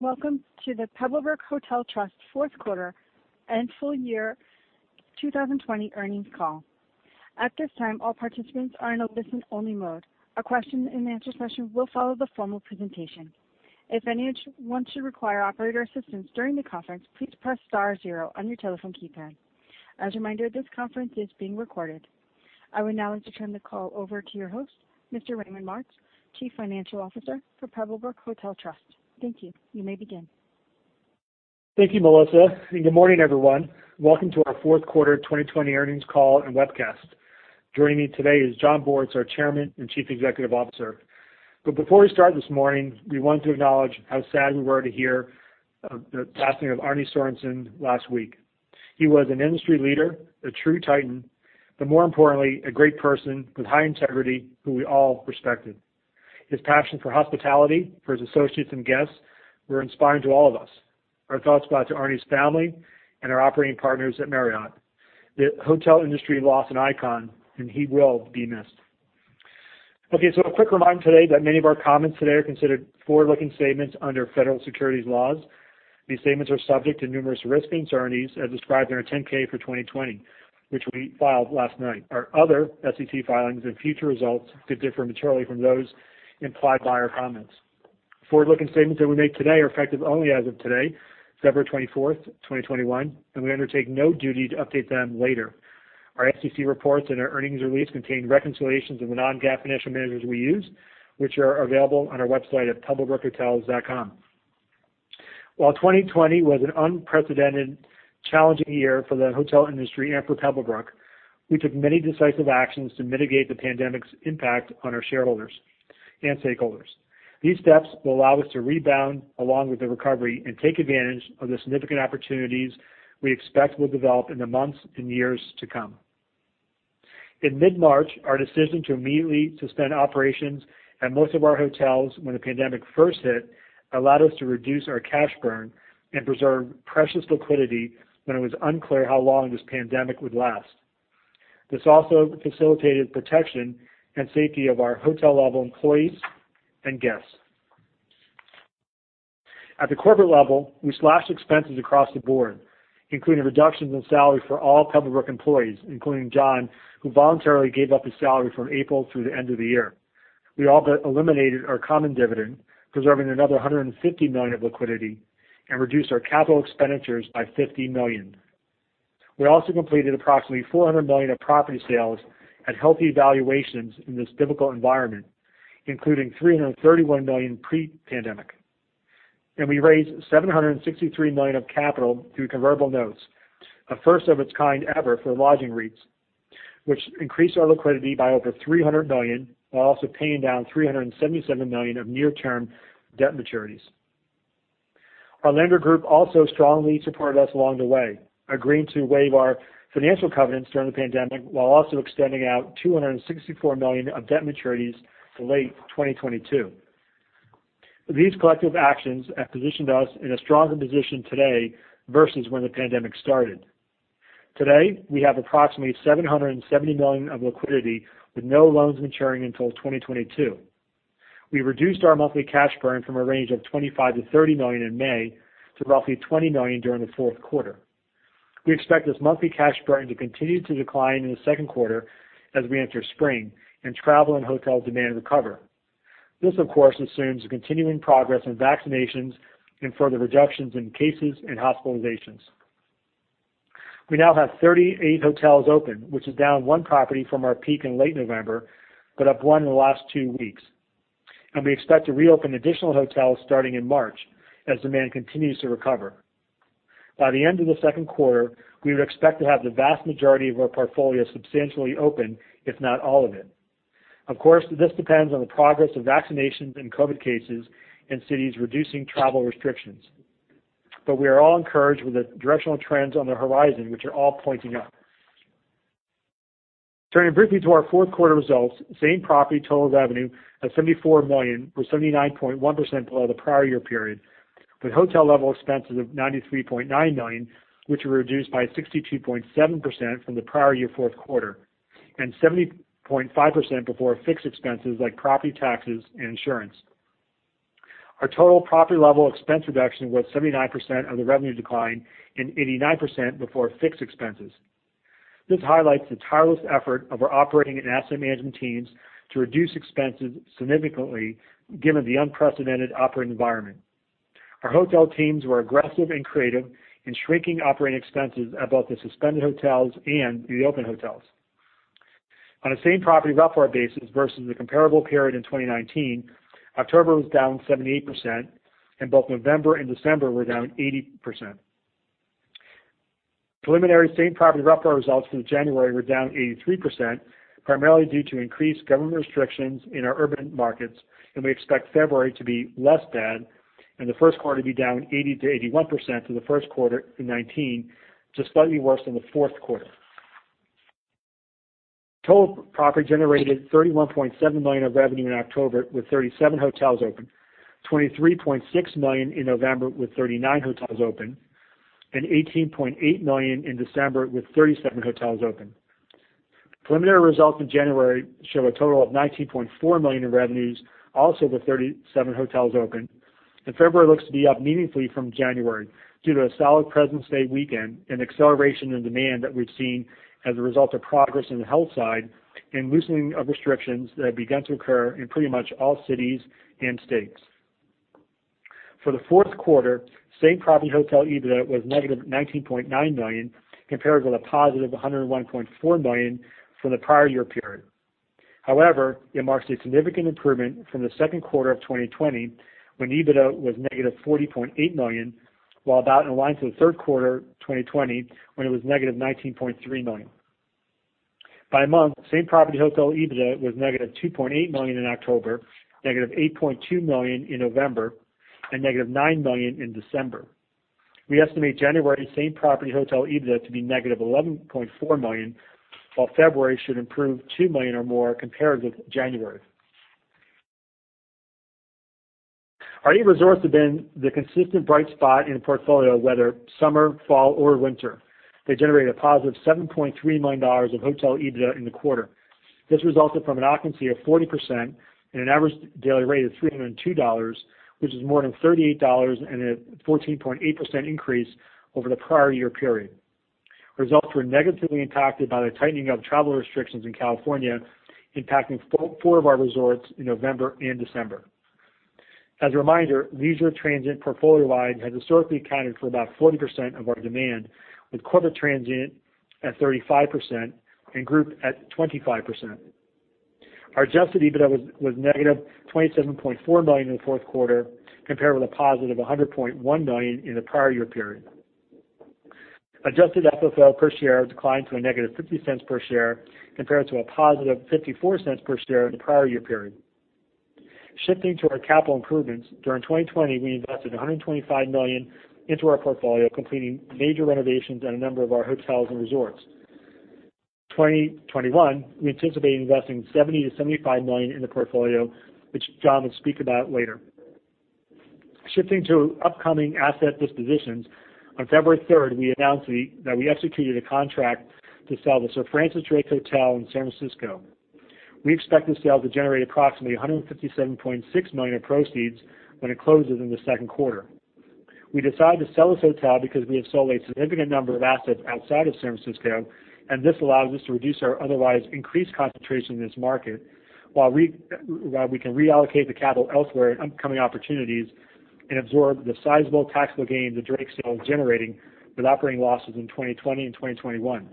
Welcome to the Pebblebrook Hotel Trust fourth quarter and full year 2020 earnings call. At this time, all participants are in a listen-only mode. A question-and-answer session will follow the formal presentation. If anyone should require operator assistance during the conference, please press star zero on your telephone keypad. As a reminder, this conference is being recorded. I would now like to turn the call over to your host, Mr. Raymond Martz, Chief Financial Officer for Pebblebrook Hotel Trust. Thank you. You may begin. Thank you, Melissa, and good morning, everyone. Welcome to our fourth quarter 2020 earnings call and webcast. Joining me today is Jon Bortz, our Chairman and Chief Executive Officer. Before we start this morning, we want to acknowledge how sad we were to hear of the passing of Arne Sorenson last week. He was an industry leader, a true titan, but more importantly, a great person with high integrity who we all respected. His passion for hospitality, for his associates and guests were inspiring to all of us. Our thoughts go out to Arne's family and our operating partners at Marriott. The hotel industry lost an icon. He will be missed. Okay, a quick reminder today that many of our comments today are considered forward-looking statements under federal securities laws. These statements are subject to numerous risks and uncertainties as described in our 10-K for 2020, which we filed last night. Our other SEC filings and future results could differ materially from those implied by our comments. Forward-looking statements that we make today are effective only as of today, February 24th, 2021. We undertake no duty to update them later. Our SEC reports and our earnings release contain reconciliations of the non-GAAP financial measures we use, which are available on our website at pebblebrookhotels.com. While 2020 was an unprecedentedly challenging year for the hotel industry and for Pebblebrook, we took many decisive actions to mitigate the pandemic's impact on our shareholders and stakeholders. These steps will allow us to rebound along with the recovery and take advantage of the significant opportunities we expect will develop in the months and years to come. In mid-March, our decision to immediately suspend operations at most of our hotels when the pandemic first hit allowed us to reduce our cash burn and preserve precious liquidity when it was unclear how long this pandemic would last. This also facilitated protection and safety of our hotel-level employees and guests. At the corporate level, we slashed expenses across the board, including reductions in salary for all Pebblebrook employees, including Jon, who voluntarily gave up his salary from April through the end of the year. We also eliminated our common dividend, preserving another $150 million of liquidity, and reduced our capital expenditures by $50 million. We also completed approximately $400 million of property sales at healthy valuations in this difficult environment, including $331 million pre-pandemic. We raised $763 million of capital through convertible notes, a first of its kind ever for lodging REITs, which increased our liquidity by over $300 million, while also paying down $377 million of near-term debt maturities. Our lender group also strongly supported us along the way, agreeing to waive our financial covenants during the pandemic, while also extending out $264 million of debt maturities to late 2022. These collective actions have positioned us in a stronger position today versus when the pandemic started. Today, we have approximately $770 million of liquidity with no loans maturing until 2022. We reduced our monthly cash burn from a range of $25 million-$30 million in May to roughly $20 million during the fourth quarter. We expect this monthly cash burn to continue to decline in the second quarter as we enter spring and travel and hotel demand recover. This, of course, assumes the continuing progress in vaccinations and further reductions in cases and hospitalizations. We now have 38 hotels open, which is down one property from our peak in late November, but up one in the last two weeks. We expect to reopen additional hotels starting in March as demand continues to recover. By the end of the second quarter, we would expect to have the vast majority of our portfolio substantially open, if not all of it. Of course, this depends on the progress of vaccinations and COVID cases and cities reducing travel restrictions. We are all encouraged with the directional trends on the horizon, which are all pointing up. Turning briefly to our fourth quarter results, same property total revenue of $74 million was 79.1% below the prior year period, with hotel level expenses of $93.9 million, which were reduced by 62.7% from the prior year fourth quarter, and 70.5% before fixed expenses like property taxes and insurance. Our total property level expense reduction was 79% of the revenue decline and 89% before fixed expenses. This highlights the tireless effort of our operating and asset management teams to reduce expenses significantly, given the unprecedented operating environment. Our hotel teams were aggressive and creative in shrinking operating expenses at both the suspended hotels and the open hotels. On a same-property RevPAR basis versus the comparable period in 2019, October was down 78%, and both November and December were down 80%. Preliminary same-property RevPAR results for January were down 83%, primarily due to increased government restrictions in our urban markets. We expect February to be less bad and the first quarter to be down 80%-81% to the first quarter in 2019, just slightly worse than the fourth quarter. Total property generated $31.7 million of revenue in October with 37 hotels open, $23.6 million in November with 39 hotels open, and $18.8 million in December with 37 hotels open. Preliminary results in January show a total of $19.4 million in revenues, also with 37 hotels open. February looks to be up meaningfully from January due to a solid President's Day weekend, an acceleration in demand that we've seen as a result of progress in the health side, and loosening of restrictions that have begun to occur in pretty much all cities and states. For the fourth quarter, same property hotel EBITDA was negative $19.9 million, compared with a positive $101.4 million from the prior year period. However, it marks a significant improvement from the second quarter of 2020, when EBITDA was negative $40.8 million, while about in line for the third quarter 2020, when it was negative $19.3 million. By month, same-property hotel EBITDA was negative $2.8 million in October, negative $8.2 million in November, and negative $9 million in December. We estimate January same-property hotel EBITDA to be negative $11.4 million, while February should improve $2 million or more compared with January. Our eight resorts have been the consistent bright spot in the portfolio, whether summer, fall, or winter. They generated a positive $7.3 million of hotel EBITDA in the quarter. This resulted from an occupancy of 40% and an average daily rate of $302, which is more than $38 and a 14.8% increase over the prior year period. Results were negatively impacted by the tightening of travel restrictions in California, impacting four of our resorts in November and December. As a reminder, leisure transient portfolio wide has historically accounted for about 40% of our demand, with corporate transient at 35% and group at 25%. Our adjusted EBITDA was negative $27.4 million in the fourth quarter, compared with a positive $100.1 million in the prior year period. Adjusted FFO per share declined to a negative $0.50 per share compared to a positive $0.54 per share in the prior year period. Shifting to our capital improvements, during 2020, we invested $125 million into our portfolio, completing major renovations on a number of our hotels and resorts. 2021, we anticipate investing $70 million-$75 million in the portfolio, which Jon will speak about later. Shifting to upcoming asset dispositions, on February 3rd, we announced that we executed a contract to sell the Sir Francis Drake Hotel in San Francisco. We expect the sale to generate approximately $157.6 million of proceeds when it closes in the second quarter. We decided to sell this hotel because we have sold a significant number of assets outside of San Francisco, and this allows us to reduce our otherwise increased concentration in this market while we can reallocate the capital elsewhere in upcoming opportunities and absorb the sizable taxable gain the Drake sale is generating with operating losses in 2020 and 2021.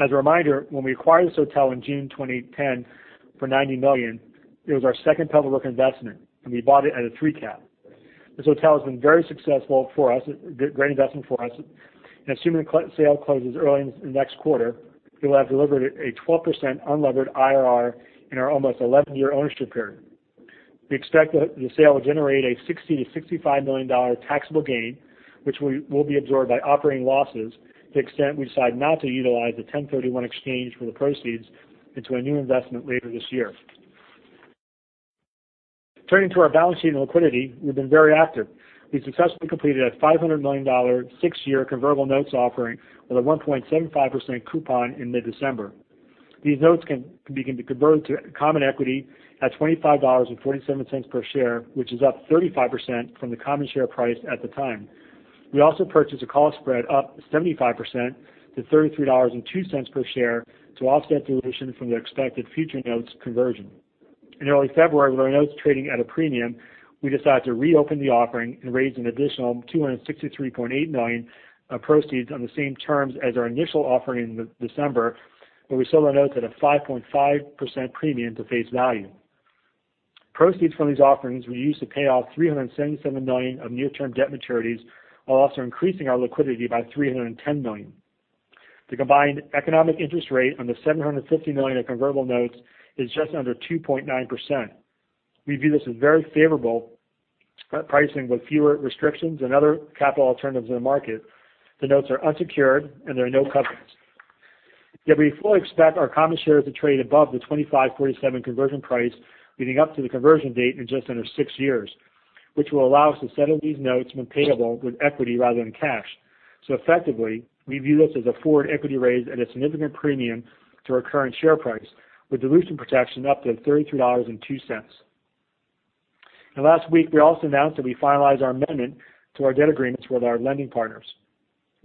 As a reminder, when we acquired this hotel in June 2010 for $90 million, it was our second public investment, and we bought it at a 3% cap. This hotel has been very successful for us, a great investment for us. Assuming the sale closes early in next quarter, it will have delivered a 12% unlevered IRR in our almost 11-year ownership period. We expect the sale to generate a $60 million-$65 million taxable gain, which will be absorbed by operating losses to the extent we decide not to utilize the 1031 exchange for the proceeds into a new investment later this year. Turning to our balance sheet and liquidity, we've been very active. We successfully completed a $500 million six-year convertible notes offering with a 1.75% coupon in mid-December. These notes can begin to convert to common equity at $25.47 per share, which is up 35% from the common share price at the time. We also purchased a call spread up 75% to $33.02 per share to offset dilution from the expected future notes conversion. In early February, with our notes trading at a premium, we decided to reopen the offering and raise an additional $263.8 million of proceeds on the same terms as our initial offering in December, where we sold our notes at a 5.5% premium to face value. Proceeds from these offerings were used to pay off $377 million of near-term debt maturities, while also increasing our liquidity by $310 million. The combined economic interest rate on the $750 million of convertible notes is just under 2.9%. We view this as very favorable pricing with fewer restrictions and other capital alternatives in the market. The notes are unsecured, and there are no covenants, yet we fully expect our common shares to trade above the $25.47 conversion price leading up to the conversion date in just under six years, which will allow us to settle these notes when payable with equity rather than cash. Effectively, we view this as a forward equity raise at a significant premium to our current share price, with dilution protection up to $33.02. Last week, we also announced that we finalized our amendment to our debt agreements with our lending partners.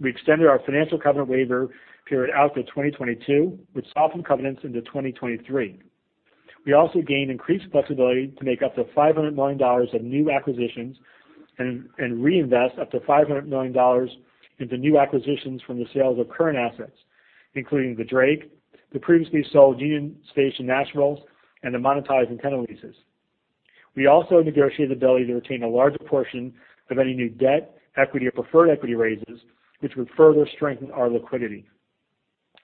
We extended our financial covenant waiver period out to 2022, with softened covenants into 2023. We also gained increased flexibility to make up to $500 million of new acquisitions and reinvest up to $500 million into new acquisitions from the sales of current assets, including the Drake, the previously sold Union Station Nashville, and the monetized antenna leases. We also negotiated the ability to retain a larger portion of any new debt, equity, or preferred equity raises, which would further strengthen our liquidity.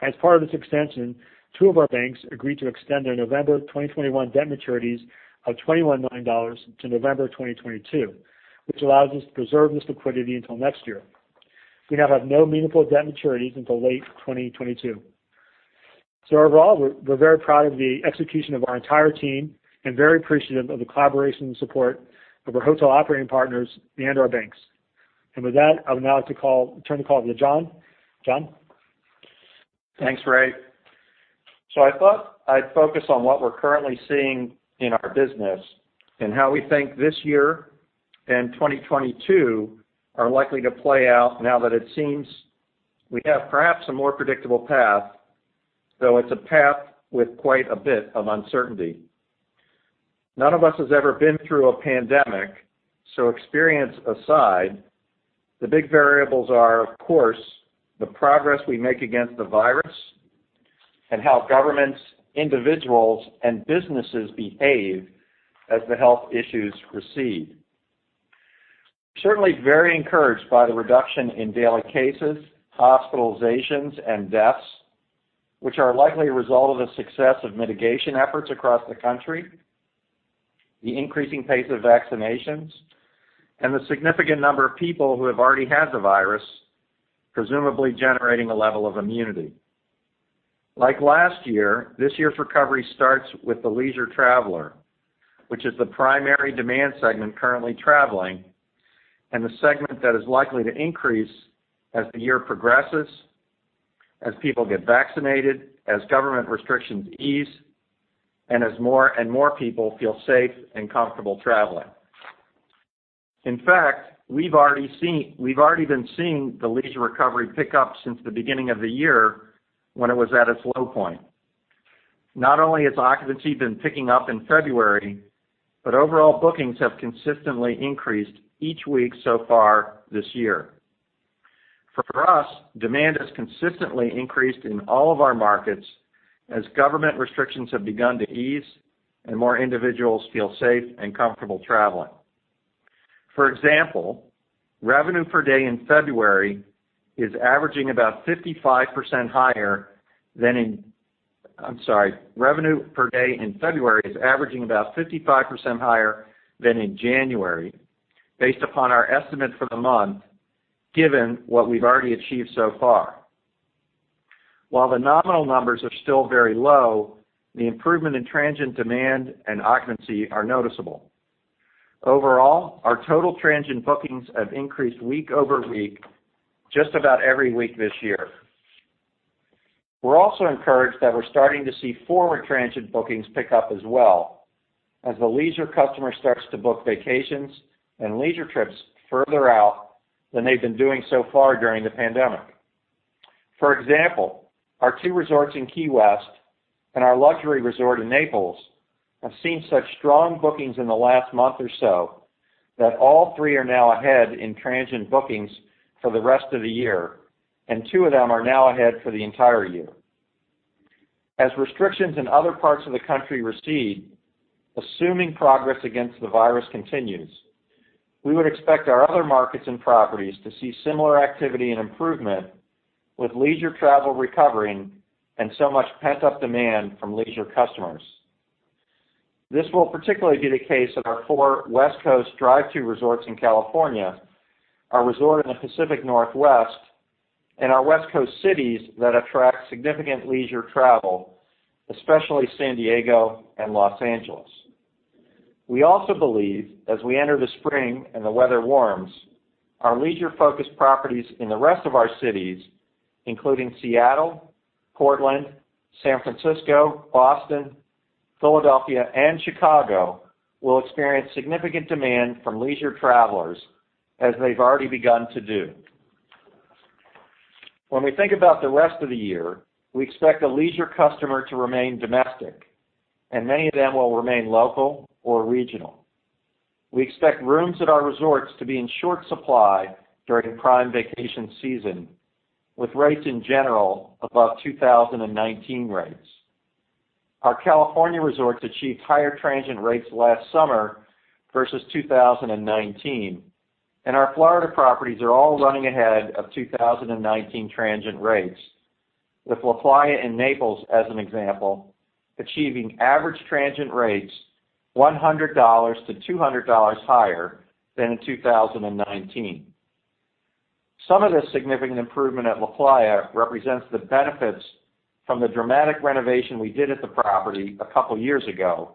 As part of this extension, two of our banks agreed to extend their November 2021 debt maturities of $21 million to November 2022, which allows us to preserve this liquidity until next year. We now have no meaningful debt maturities until late 2022. Overall, we're very proud of the execution of our entire team and very appreciative of the collaboration and support of our hotel operating partners and our banks. With that, I would now like to turn the call to Jon. Jon? Thanks, Ray. I thought I'd focus on what we're currently seeing in our business and how we think this year and 2022 are likely to play out now that it seems we have perhaps a more predictable path, though it's a path with quite a bit of uncertainty. None of us has ever been through a pandemic, so experience aside, the big variables are, of course, the progress we make against the virus and how governments, individuals, and businesses behave as the health issues recede. Certainly very encouraged by the reduction in daily cases, hospitalizations, and deaths, which are likely a result of the success of mitigation efforts across the country, the increasing pace of vaccinations, and the significant number of people who have already had the virus, presumably generating a level of immunity. Like last year, this year's recovery starts with the leisure traveler, which is the primary demand segment currently traveling and the segment that is likely to increase as the year progresses, as people get vaccinated, as government restrictions ease, and as more and more people feel safe and comfortable traveling. In fact, we've already been seeing the leisure recovery pick up since the beginning of the year when it was at its low point. Not only has occupancy been picking up in February, but overall bookings have consistently increased each week so far this year. For us, demand has consistently increased in all of our markets as government restrictions have begun to ease and more individuals feel safe and comfortable traveling. For example, revenue per day in February is averaging about 55% higher than in, I'm sorry. Revenue per day in February is averaging about 55% higher than in January, based upon our estimate for the month, given what we've already achieved so far. While the nominal numbers are still very low, the improvement in transient demand and occupancy are noticeable. Overall, our total transient bookings have increased week-over-week, just about every week this year. We're also encouraged that we're starting to see forward transient bookings pick up as well as the leisure customer starts to book vacations and leisure trips further out than they've been doing so far during the pandemic. For example, our two resorts in Key West and our luxury resort in Naples have seen such strong bookings in the last month or so that all three are now ahead in transient bookings for the rest of the year, and two of them are now ahead for the entire year. As restrictions in other parts of the country recede, assuming progress against the virus continues, we would expect our other markets and properties to see similar activity and improvement with leisure travel recovering and so much pent-up demand from leisure customers. This will particularly be the case at our four West Coast drive-to resorts in California, our resort in the Pacific Northwest, and our West Coast cities that attract significant leisure travel, especially San Diego and Los Angeles. We also believe as we enter the spring and the weather warms, our leisure-focused properties in the rest of our cities, including Seattle, Portland, San Francisco, Boston, Philadelphia, and Chicago, will experience significant demand from leisure travelers as they've already begun to do. When we think about the rest of the year, we expect the leisure customer to remain domestic, and many of them will remain local or regional. We expect rooms at our resorts to be in short supply during prime vacation season, with rates in general above 2019 rates. Our California resorts achieved higher transient rates last summer versus 2019, and our Florida properties are all running ahead of 2019 transient rates, with LaPlaya in Naples as an example, achieving average transient rates $100-$200 higher than in 2019. Some of this significant improvement at LaPlaya represents the benefits from the dramatic renovation we did at the property a couple of years ago,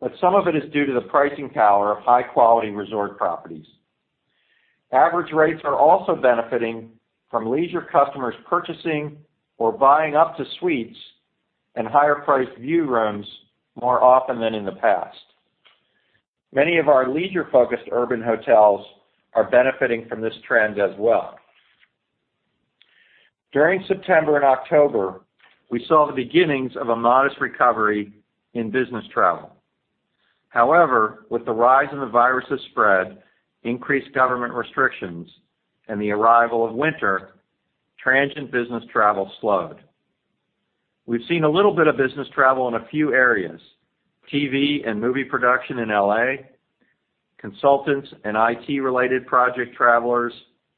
but some of it is due to the pricing power of high-quality resort properties. Average rates are also benefiting from leisure customers purchasing or buying up to suites and higher priced view rooms more often than in the past. Many of our leisure-focused urban hotels are benefiting from this trend as well. During September and October, we saw the beginnings of a modest recovery in business travel. However, with the rise in the virus's spread, increased government restrictions, and the arrival of winter, transient business travel slowed. We've seen a little bit of business travel in a few areas, TV and movie production in L.A., consultants and IT related project travelers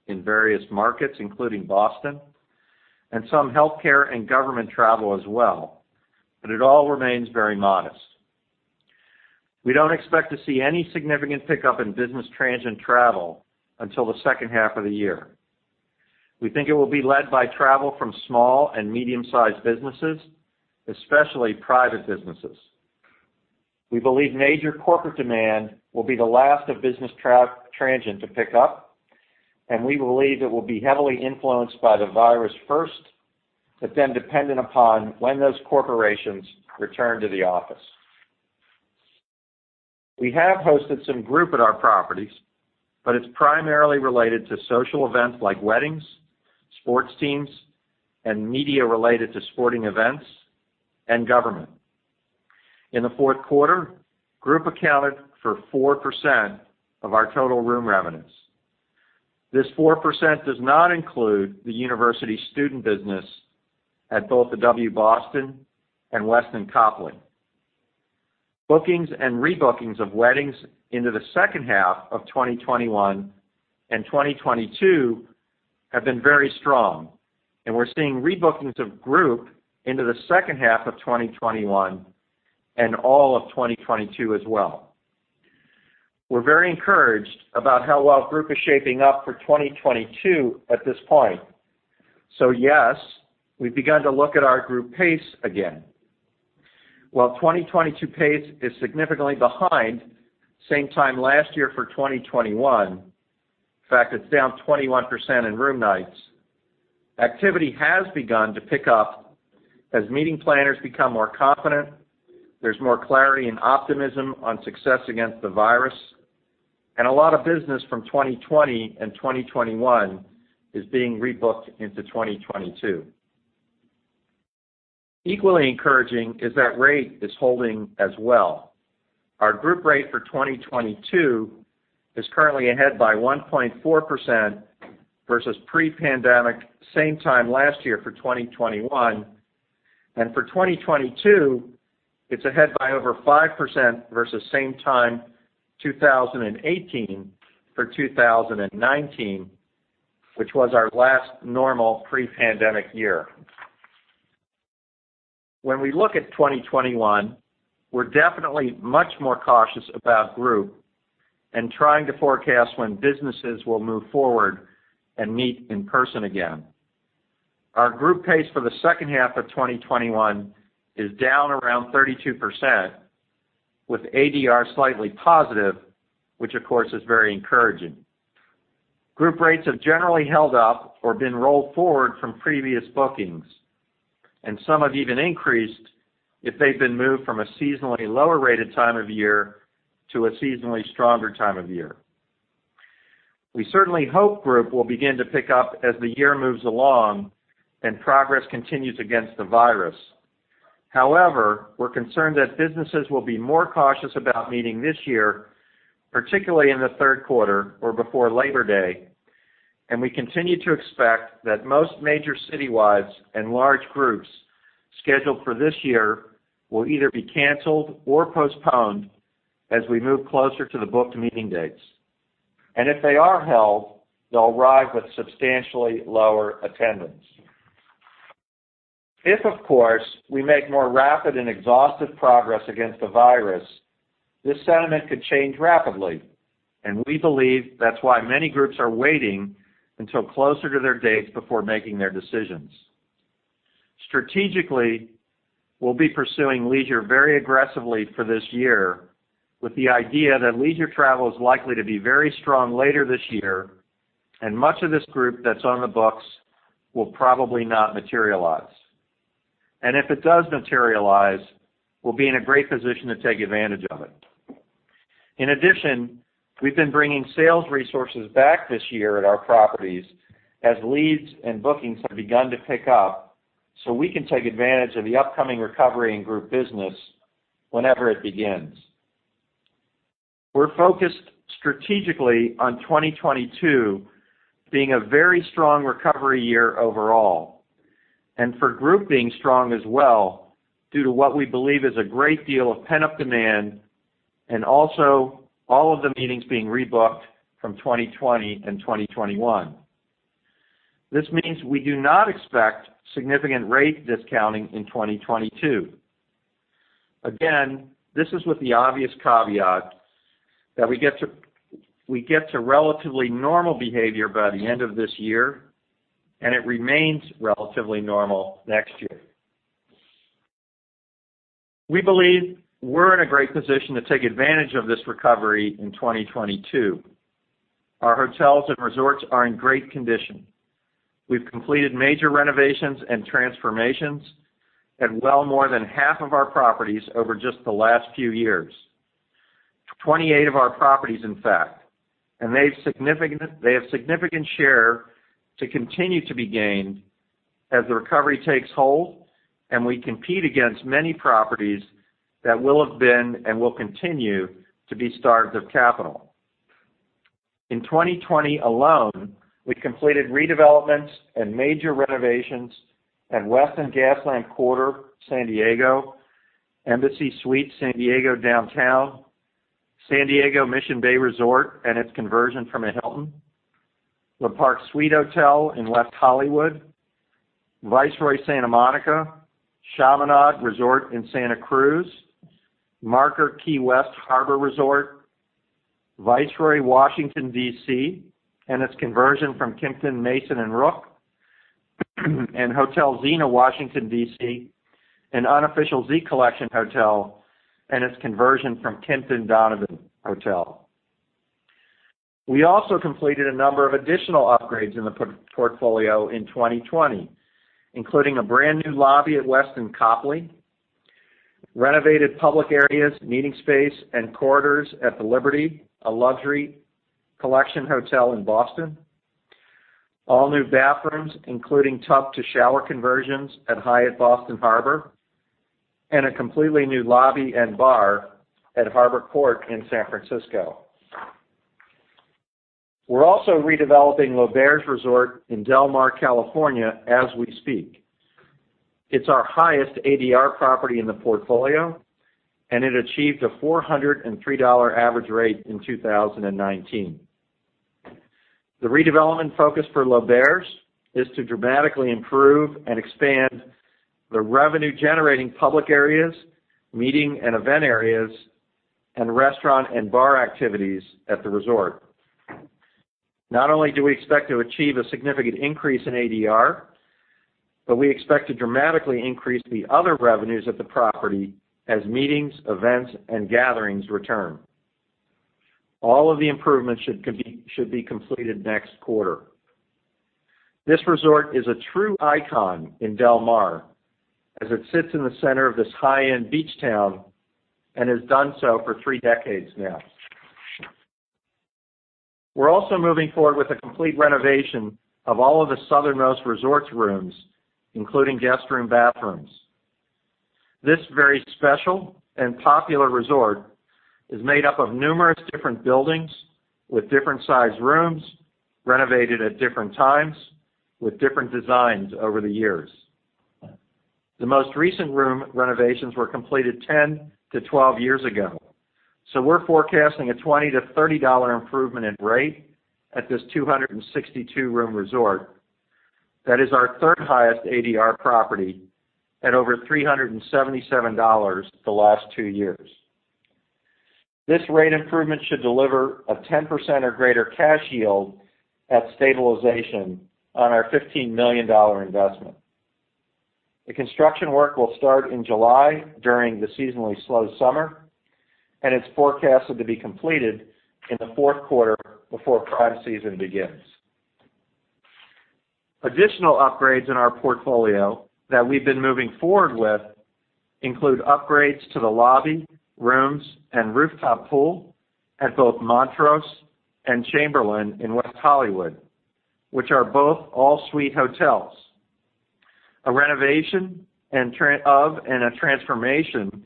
in various markets, including Boston, and some healthcare and government travel as well, but it all remains very modest. We don't expect to see any significant pickup in business transient travel until the second half of the year. We think it will be led by travel from small and medium-sized businesses, especially private businesses. We believe major corporate demand will be the last of business transient to pick up, and we believe it will be heavily influenced by the virus first, but then dependent upon when those corporations return to the office. We have hosted some group at our properties, but it's primarily related to social events like weddings, sports teams, and media related to sporting events, and government. In the fourth quarter, group accounted for 4% of our total room revenues. This 4% does not include the university student business at both the W Boston and Westin Copley. Bookings and rebookings of weddings into the second half of 2021 and 2022 have been very strong, and we're seeing rebookings of group into the second half of 2021 and all of 2022 as well. We're very encouraged about how well group is shaping up for 2022 at this point. Yes, we've begun to look at our group pace again. While 2022 pace is significantly behind same time last year for 2021, in fact, it is down 21% in room nights, activity has begun to pick up as meeting planners become more confident, there is more clarity and optimism on success against the virus, and a lot of business from 2020 and 2021 is being rebooked into 2022. Equally encouraging is that rate is holding as well. Our group rate for 2022 is currently ahead by 1.4% versus pre-pandemic same time last year for 2021. For 2022, it is ahead by over 5% versus same time 2018 for 2019, which was our last normal pre-pandemic year. When we look at 2021, we are definitely much more cautious about group and trying to forecast when businesses will move forward and meet in person again. Our group pace for the second half of 2021 is down around 32%, with ADR slightly positive, which, of course, is very encouraging. Group rates have generally held up or been rolled forward from previous bookings. Some have even increased if they've been moved from a seasonally lower rated time of year to a seasonally stronger time of year. We certainly hope group will begin to pick up as the year moves along and progress continues against the virus. However, we're concerned that businesses will be more cautious about meeting this year, particularly in the third quarter or before Labor Day. We continue to expect that most major citywides and large groups scheduled for this year will either be canceled or postponed as we move closer to the booked meeting dates. If they are held, they'll arrive with substantially lower attendance. If, of course, we make more rapid and exhaustive progress against the virus, this sentiment could change rapidly, and we believe that's why many groups are waiting until closer to their dates before making their decisions. Strategically, we'll be pursuing leisure very aggressively for this year with the idea that leisure travel is likely to be very strong later this year, and much of this group that's on the books will probably not materialize. If it does materialize, we'll be in a great position to take advantage of it. In addition, we've been bringing sales resources back this year at our properties as leads and bookings have begun to pick up, so we can take advantage of the upcoming recovery in group business whenever it begins. We're focused strategically on 2022 being a very strong recovery year overall, and for group being strong as well due to what we believe is a great deal of pent-up demand and also all of the meetings being rebooked from 2020 and 2021. This means we do not expect significant rate discounting in 2022. Again, this is with the obvious caveat that we get to relatively normal behavior by the end of this year, and it remains relatively normal next year. We believe we're in a great position to take advantage of this recovery in 2022. Our hotels and resorts are in great condition. We've completed major renovations and transformations at well more than half of our properties over just the last few years. 28 of our properties, in fact, and they have significant share to continue to be gained as the recovery takes hold and we compete against many properties that will have been and will continue to be starved of capital. In 2020 alone, we completed redevelopments and major renovations at Westin Gaslamp Quarter, San Diego, Embassy Suites, San Diego Downtown, San Diego Mission Bay Resort, and its conversion from a Hilton, Le Parc Suite Hotel in West Hollywood, Viceroy Santa Monica, Chaminade Resort in Santa Cruz, Marker Key West Harbor Resort, Viceroy Washington, D.C., and its conversion from Kimpton Mason & Rook and Hotel Zena Washington, D.C., an Unofficial Z Collection hotel, and its conversion from Kimpton Donovan Hotel. We also completed a number of additional upgrades in the portfolio in 2020, including a brand-new lobby at Westin Copley, renovated public areas, meeting space, and corridors at The Liberty, a Luxury Collection Hotel, Boston, all-new bathrooms, including tub-to-shower conversions at Hyatt Boston Harbor, and a completely new lobby and bar at Harbor Court in San Francisco. We're also redeveloping L'Auberge Resort in Del Mar, California, as we speak. It's our highest ADR property in the portfolio, and it achieved a $403 average rate in 2019. The redevelopment focus for L'Auberge is to dramatically improve and expand the revenue-generating public areas, meeting and event areas, and restaurant and bar activities at the resort. Not only do we expect to achieve a significant increase in ADR, but we expect to dramatically increase the other revenues of the property as meetings, events, and gatherings return. All of the improvements should be completed next quarter. This resort is a true icon in Del Mar, as it sits in the center of this high-end beach town and has done so for three decades now. We're also moving forward with a complete renovation of all of the Southernmost Resorts rooms, including guest room bathrooms. This very special and popular resort is made up of numerous different buildings with different-sized rooms, renovated at different times, with different designs over the years. The most recent room renovations were completed 10-12 years ago. We're forecasting a $20-$30 improvement in rate at this 262-room resort. That is our third-highest ADR property at over $377 the last two years. This rate improvement should deliver a 10% or greater cash yield at stabilization on our $15 million investment. The construction work will start in July during the seasonally slow summer, and it's forecasted to be completed in the fourth quarter before prime season begins. Additional upgrades in our portfolio that we've been moving forward with include upgrades to the lobby, rooms, and rooftop pool at both Montrose and Chamberlain in West Hollywood, which are both all-suite hotels. A renovation of and a transformation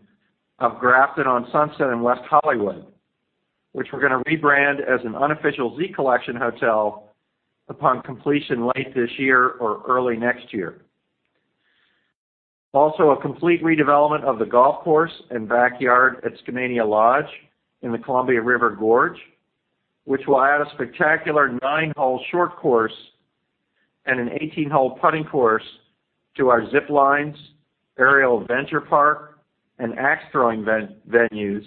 of Grafton on Sunset in West Hollywood, which we're going to rebrand as an Unofficial Z Collection hotel upon completion late this year or early next year. Also a complete redevelopment of the golf course and backyard at Skamania Lodge in the Columbia River Gorge, which will add a spectacular nine-hole short course and an 18-hole putting course to our zip lines, aerial adventure park, and axe-throwing venues,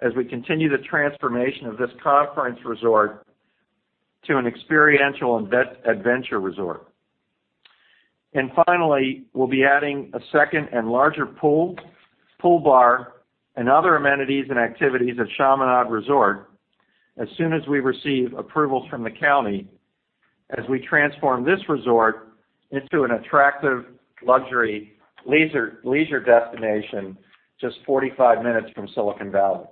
as we continue the transformation of this conference resort to an experiential adventure resort. Finally, we'll be adding a second and larger pool bar, and other amenities and activities at Chaminade Resort as soon as we receive approvals from the county as we transform this resort into an attractive luxury leisure destination just 45 minutes from Silicon Valley.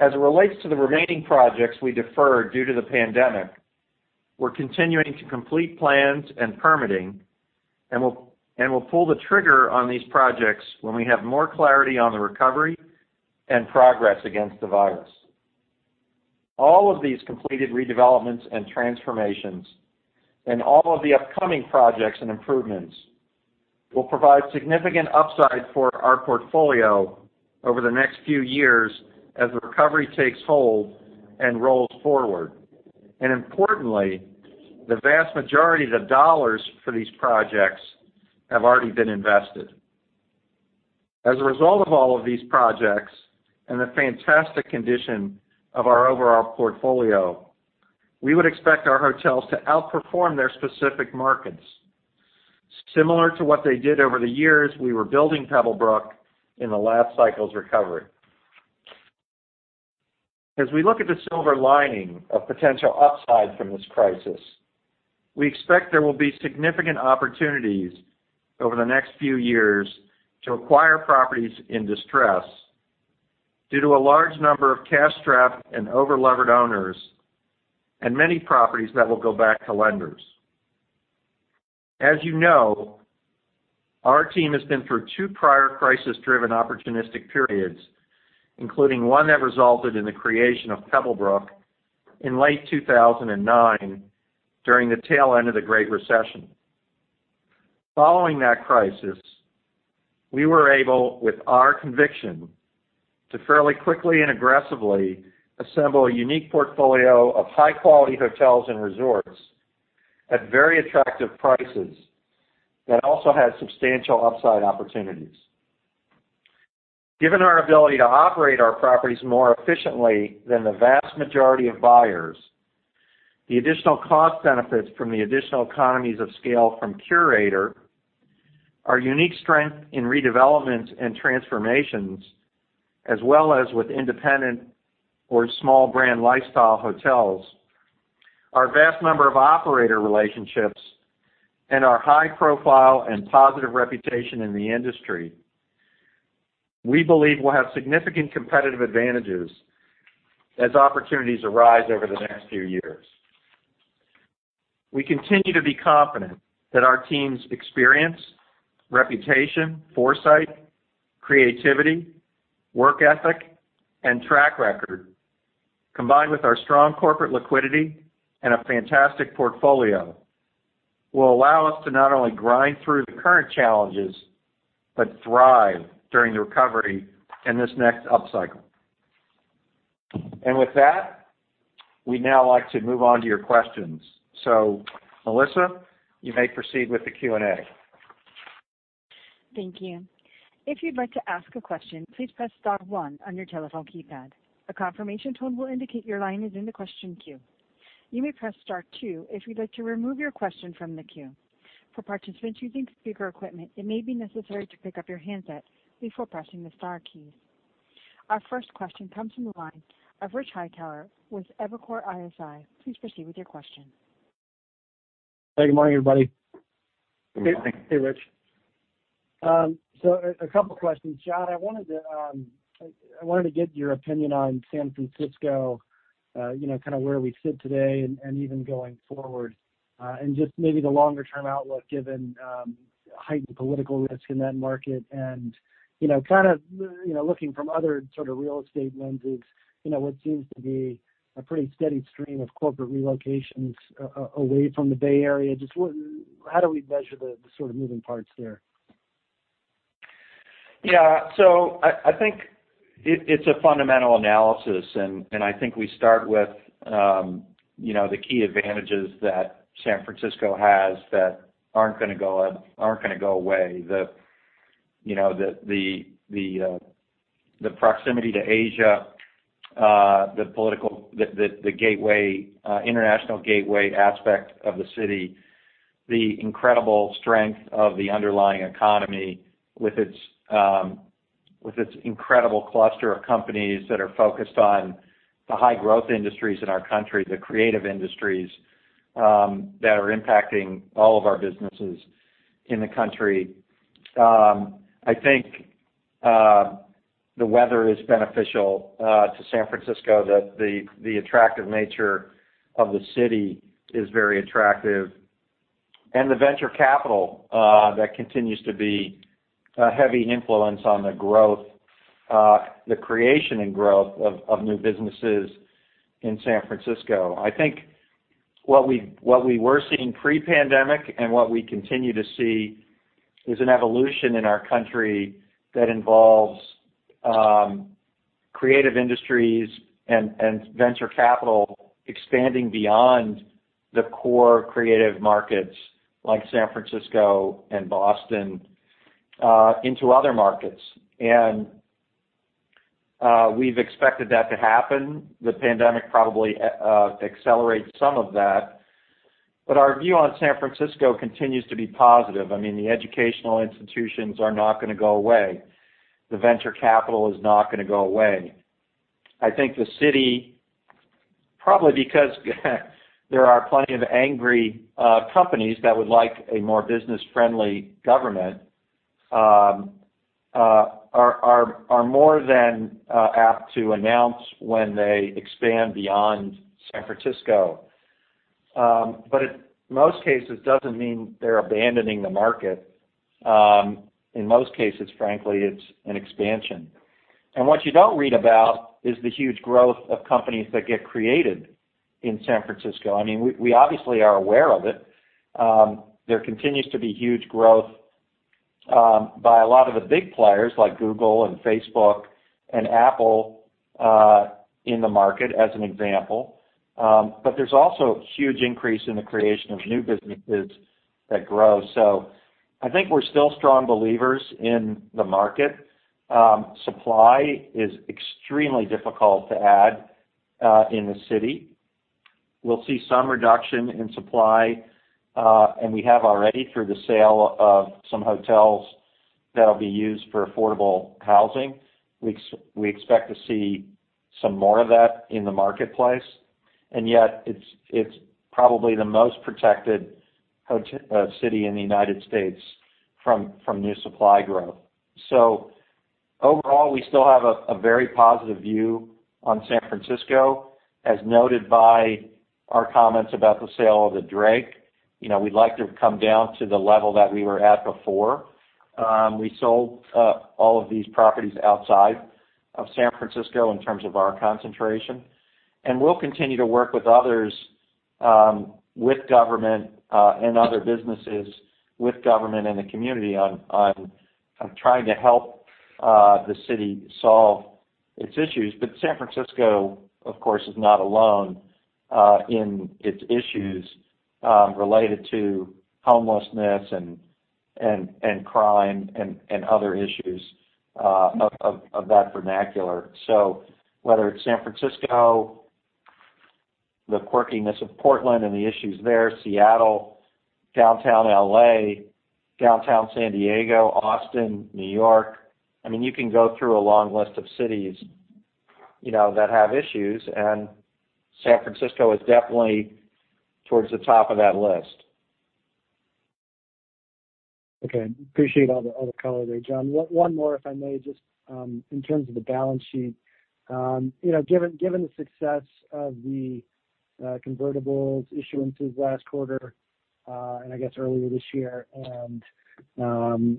As it relates to the remaining projects we deferred due to the pandemic, we're continuing to complete plans and permitting, and we'll pull the trigger on these projects when we have more clarity on the recovery and progress against the virus. All of these completed redevelopments and transformations, and all of the upcoming projects and improvements, will provide significant upside for our portfolio over the next few years as the recovery takes hold and rolls forward. Importantly, the vast majority of the dollars for these projects have already been invested. As a result of all of these projects and the fantastic condition of our overall portfolio, we would expect our hotels to outperform their specific markets, similar to what they did over the years we were building Pebblebrook in the last cycle's recovery. As we look at the silver lining of potential upside from this crisis, we expect there will be significant opportunities over the next few years to acquire properties in distress due to a large number of cash-strapped and over-levered owners and many properties that will go back to lenders. As you know, our team has been through two prior crisis-driven opportunistic periods, including one that resulted in the creation of Pebblebrook in late 2009 during the tail end of the Great Recession. Following that crisis, we were able, with our conviction, to fairly quickly and aggressively assemble a unique portfolio of high-quality hotels and resorts at very attractive prices that also had substantial upside opportunities. Given our ability to operate our properties more efficiently than the vast majority of buyers, the additional cost benefits from the additional economies of scale from Curator, our unique strength in redevelopments and transformations, as well as with independent or small brand lifestyle hotels, our vast number of operator relationships, and our high profile and positive reputation in the industry, we believe we'll have significant competitive advantages as opportunities arise over the next few years. We continue to be confident that our team's experience, reputation, foresight, creativity, work ethic, and track record, combined with our strong corporate liquidity and a fantastic portfolio, will allow us to not only grind through the current challenges, but thrive during the recovery in this next upcycle. With that, we'd now like to move on to your questions. Melissa, you may proceed with the Q&A. Thank you. If you would like to ask a question, please press star one on your telephone keypad. A confirmation tone will indicate your line is in the question queue. You may press star two if you would like to remove your question from the queue. For participants using speaker equipment, it may be necessary to pick up your handset before pressing the star keys. Our first question comes from the line of Rich Hightower with Evercore ISI. Please proceed with your question. Hey, good morning, everybody. Hey, Rich. A couple questions. Jon, I wanted to get your opinion on San Francisco, kind of where we sit today and even going forward. Just maybe the longer-term outlook, given heightened political risk in that market and kind of looking from other sort of real estate lenses, what seems to be a pretty steady stream of corporate relocations away from the Bay Area. Just how do we measure the sort of moving parts there? Yeah. I think it's a fundamental analysis, and I think we start with the key advantages that San Francisco has that aren't going to go away. The proximity to Asia, the international gateway aspect of the city, the incredible strength of the underlying economy with its incredible cluster of companies that are focused on the high growth industries in our country, the creative industries that are impacting all of our businesses in the country. I think the weather is beneficial to San Francisco, that the attractive nature of the city is very attractive, and the venture capital that continues to be a heavy influence on the creation and growth of new businesses in San Francisco. I think what we were seeing pre-pandemic and what we continue to see is an evolution in our country that involves creative industries and venture capital expanding beyond the core creative markets like San Francisco and Boston into other markets. We've expected that to happen. The pandemic probably accelerates some of that. Our view on San Francisco continues to be positive. I mean, the educational institutions are not going to go away. The venture capital is not going to go away. I think the city, probably because there are plenty of angry companies that would like a more business-friendly government, are more than apt to announce when they expand beyond San Francisco. In most cases, it doesn't mean they're abandoning the market. In most cases, frankly, it's an expansion. What you don't read about is the huge growth of companies that get created in San Francisco. I mean, we obviously are aware of it. There continues to be huge growth by a lot of the big players like Google and Facebook and Apple in the market, as an example, but there's also a huge increase in the creation of new businesses that grow. I think we're still strong believers in the market. Supply is extremely difficult to add in the city. We'll see some reduction in supply, and we have already through the sale of some hotels that'll be used for affordable housing. We expect to see some more of that in the marketplace. Yet it's probably the most protected city in the United States from new supply growth. Overall, we still have a very positive view on San Francisco, as noted by our comments about the sale of the Drake. We'd like to come down to the level that we were at before. We sold all of these properties outside of San Francisco in terms of our concentration. We'll continue to work with others, with government, and other businesses with government and the community on trying to help the city solve its issues. San Francisco, of course, is not alone in its issues related to homelessness and crime and other issues of that vernacular. Whether it's San Francisco, the quirkiness of Portland and the issues there, Seattle, Downtown L.A., Downtown San Diego, Austin, New York, you can go through a long list of cities that have issues, and San Francisco is definitely towards the top of that list. Okay. Appreciate all the color there, Jon. One more, if I may, just in terms of the balance sheet. Given the success of the convertibles issuances last quarter, and I guess earlier this year, and some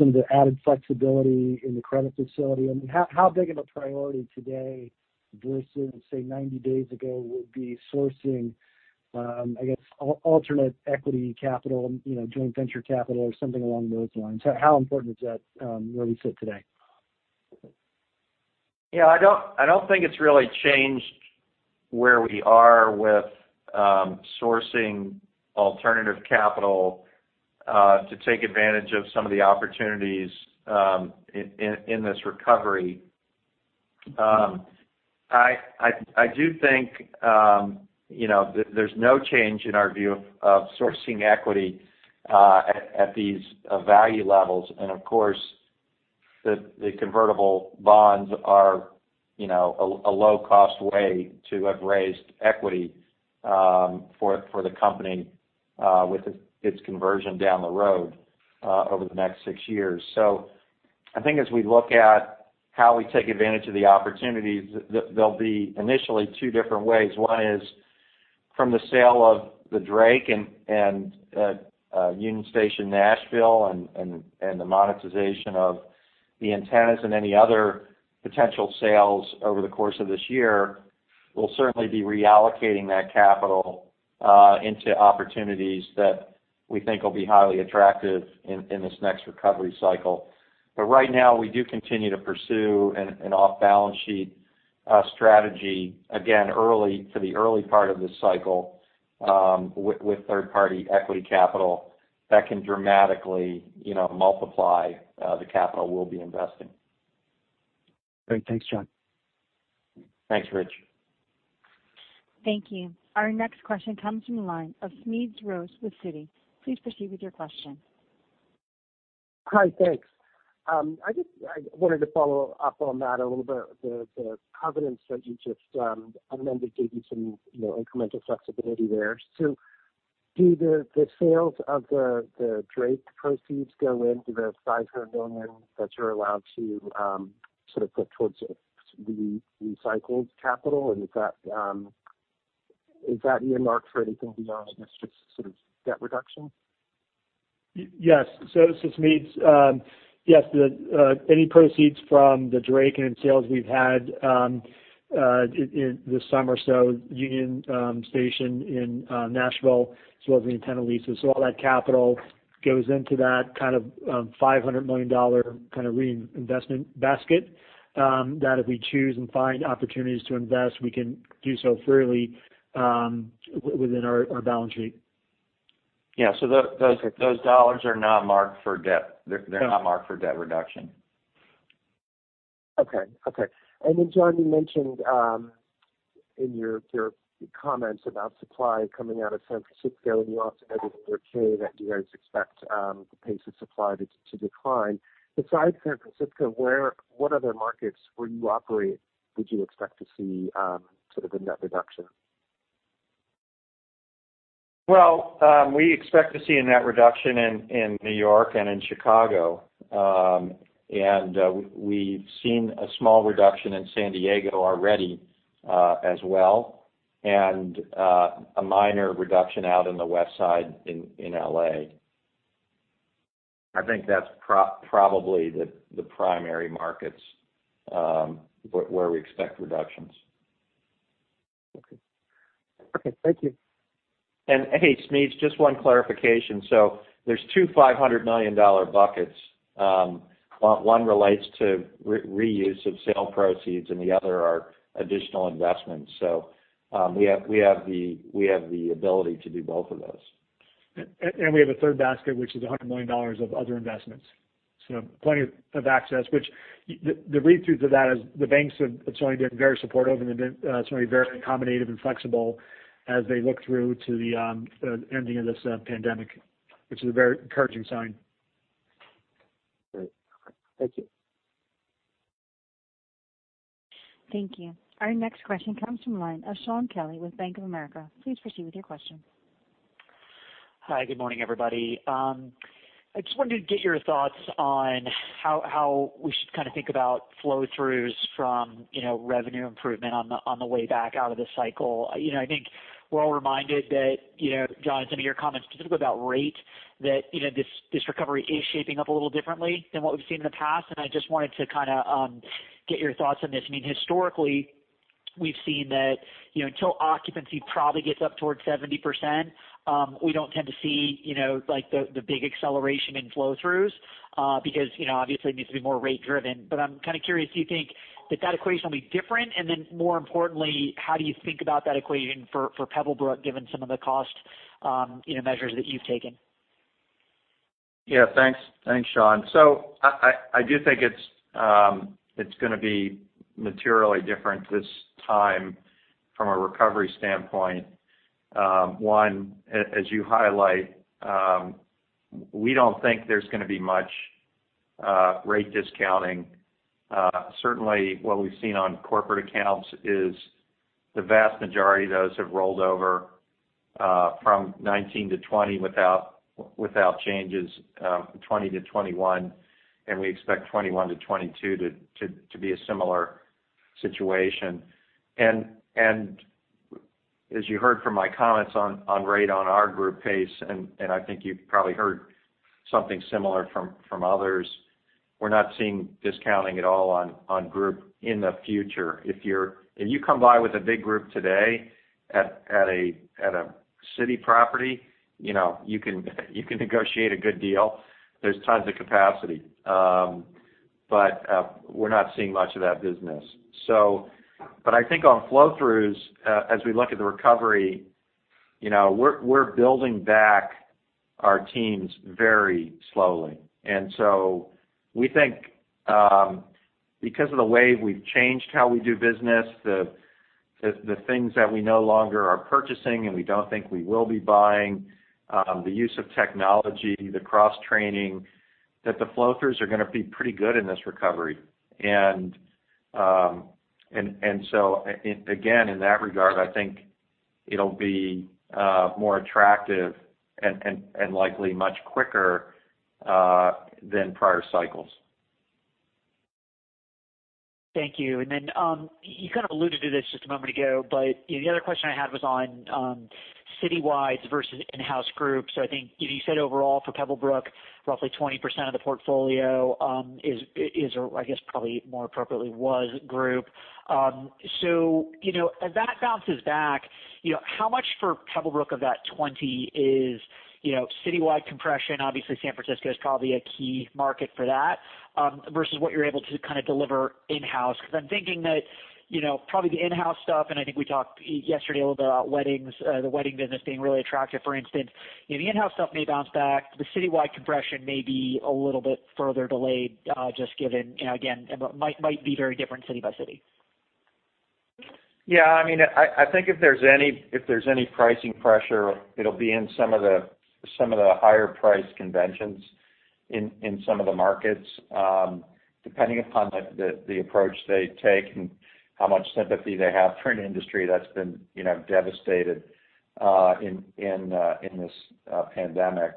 of the added flexibility in the credit facility, how big of a priority today versus, say, 90 days ago, would be sourcing, I guess, alternate equity capital, joint venture capital, or something along those lines? How important is that where we sit today? Yeah. I don't think it's really changed where we are with sourcing alternative capital to take advantage of some of the opportunities in this recovery. I do think there's no change in our view of sourcing equity at these value levels. Of course, the convertible bonds are a low-cost way to have raised equity for the company with its conversion down the road over the next six years. I think as we look at how we take advantage of the opportunities, there will be initially two different ways. One is from the sale of the Drake and Union Station Nashville and the monetization of the antennas and any other potential sales over the course of this year. We will certainly be reallocating that capital into opportunities that we think will be highly attractive in this next recovery cycle. Right now, we do continue to pursue an off-balance sheet strategy, again, for the early part of this cycle with third-party equity capital that can dramatically multiply the capital we'll be investing. Great. Thanks, Jon. Thanks, Rich. Thank you. Our next question comes from the line of Smedes Rose with Citi. Please proceed with your question. Hi, thanks. I wanted to follow up on that a little bit, the confidence that you just amended gave you some incremental flexibility there. Do the sales of the Drake proceeds go into the $500 million that you're allowed to put towards the recycled capital? Is that earmarked for anything beyond just debt reduction? Yes. So Smedes, yes. Any proceeds from the Drake and sales we've had this summer, so Union Station in Nashville as well as the antenna leases, all that capital goes into that $500 million kind of reinvestment basket that if we choose and find opportunities to invest, we can do so freely within our balance sheet. Yeah. Those dollars are not marked for debt. They're not marked for debt reduction. Okay. Jon, you mentioned in your comments about supply coming out of San Francisco, you also added your caveat that you guys expect the pace of supply to decline. Besides San Francisco, what other markets where you operate would you expect to see sort of a net reduction? Well, we expect to see a net reduction in New York and in Chicago. We've seen a small reduction in San Diego already as well, and a minor reduction out in the west side in L.A. I think that's probably the primary markets where we expect reductions. Okay. Thank you. Hey, Smedes, just one clarification. There's two $500 million buckets. One relates to reuse of sale proceeds and the other are additional investments. We have the ability to do both of those. We have a third basket, which is $100 million of other investments. Plenty of access, which the read-through to that is the banks have certainly been very supportive and they've been certainly very accommodative and flexible as they look through to the ending of this pandemic, which is a very encouraging sign. Great. Okay. Thank you. Thank you. Our next question comes from the line of Shaun Kelley with Bank of America. Please proceed with your question. Hi, good morning, everybody. I just wanted to get your thoughts on how we should kind of think about flow-throughs from revenue improvement on the way back out of this cycle. I think we're all reminded that, Jon, in some of your comments specifically about rate, that this recovery is shaping up a little differently than what we've seen in the past, and I just wanted to kind of get your thoughts on this. Historically, we've seen that until occupancy probably gets up towards 70%, we don't tend to see the big acceleration in flow-throughs, because obviously it needs to be more rate driven. I'm kind of curious, do you think that that equation will be different? More importantly, how do you think about that equation for Pebblebrook, given some of the cost measures that you've taken? Thanks. Thanks, Shaun. I do think it's going to be materially different this time from a recovery standpoint. One, as you highlight, we don't think there's going to be much rate discounting. Certainly, what we've seen on corporate accounts is the vast majority of those have rolled over from 2019-2020 without changes, 2020-2021, and we expect 2021-2022 to be a similar situation. As you heard from my comments on rate on our group pace, and I think you've probably heard something similar from others, we're not seeing discounting at all on group in the future. If you come by with a big group today at a city property, you can negotiate a good deal. There's tons of capacity. We're not seeing much of that business. I think on flow-throughs, as we look at the recovery, we're building back our teams very slowly. We think because of the way we've changed how we do business, the things that we no longer are purchasing, and we don't think we will be buying, the use of technology, the cross-training, that the flow-throughs are going to be pretty good in this recovery. Again, in that regard, I think it'll be more attractive and likely much quicker than prior cycles. Thank you. Then you kind of alluded to this just a moment ago, but the other question I had was on citywide versus in-house groups. I think you said overall for Pebblebrook, roughly 20% of the portfolio is, I guess probably more appropriately was group. As that bounces back, how much for Pebblebrook of that 20% is citywide compression, obviously San Francisco is probably a key market for that, versus what you're able to kind of deliver in-house? Because I'm thinking that probably the in-house stuff, and I think we talked yesterday a little bit about the wedding business being really attractive, for instance. The in-house stuff may bounce back. The citywide compression may be a little bit further delayed, just given again, might be very different city by city. Yeah. I think if there's any pricing pressure, it'll be in some of the higher priced conventions in some of the markets, depending upon the approach they take and how much sympathy they have for an industry that's been devastated in this pandemic.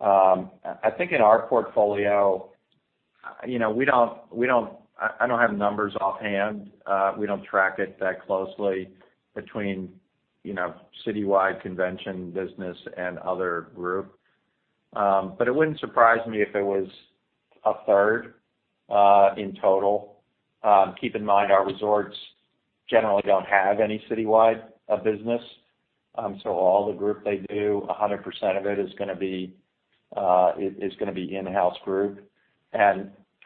I think in our portfolio, I don't have numbers offhand. We don't track it that closely between citywide convention business and other group. It wouldn't surprise me if it was 1/3 in total. Keep in mind, our resorts generally don't have any citywide business. All the group they do, 100% of it is going to be in-house group.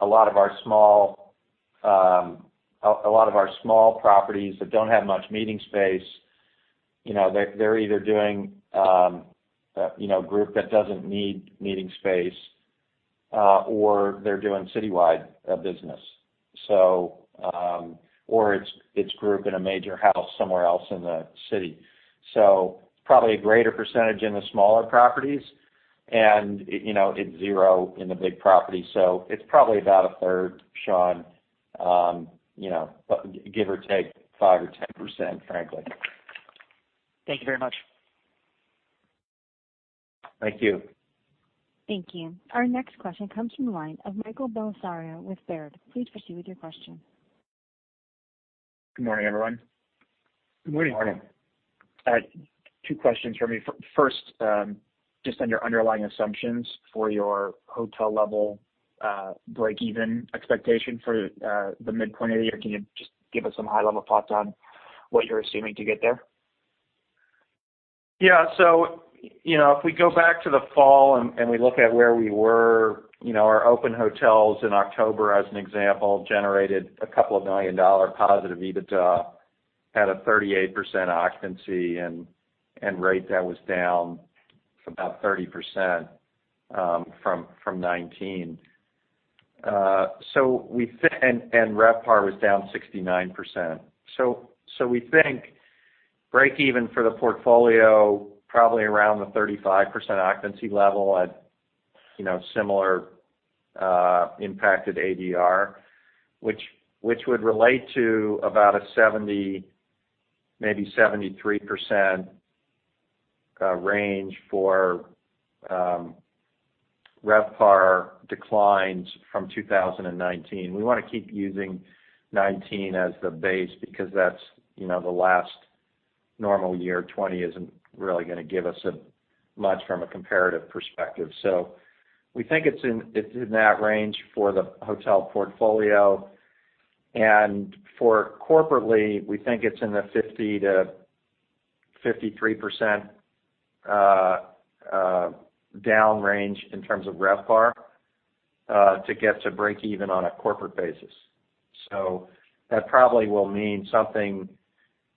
A lot of our small properties that don't have much meeting space, they're either doing group that doesn't need meeting space, or they're doing citywide business. Or it's group in a major house somewhere else in the city. Probably a greater percentage in the smaller properties, and it's zero in the big properties. Probably about 1/3, Shaun, give or take 5% or 10%, frankly. Thank you very much. Thank you. Thank you. Our next question comes from the line of Michael Bellisario with Baird. Please proceed with your question. Good morning, everyone. Good morning. Two questions for me. First, just on your underlying assumptions for your hotel level breakeven expectation for the mid-point of the year. Can you just give us some high-level thoughts on what you're assuming to get there? If we go back to the fall and we look at where we were, our open hotels in October, as an example, generated a couple of million dollars positive EBITDA at a 38% occupancy and rate that was down about 30% from 2019. RevPAR was down 69%. We think break-even for the portfolio probably around the 35% occupancy level at similar impacted ADR, which would relate to about a 70% to maybe 73% range for RevPAR declines from 2019. We want to keep using 2019 as the base because that's the last normal year; 2020 isn't really going to give us much from a comparative perspective. We think it's in that range for the hotel portfolio. For corporately, we think it's in the 50%-53% down range in terms of RevPAR, to get to break-even on a corporate basis. That probably will mean something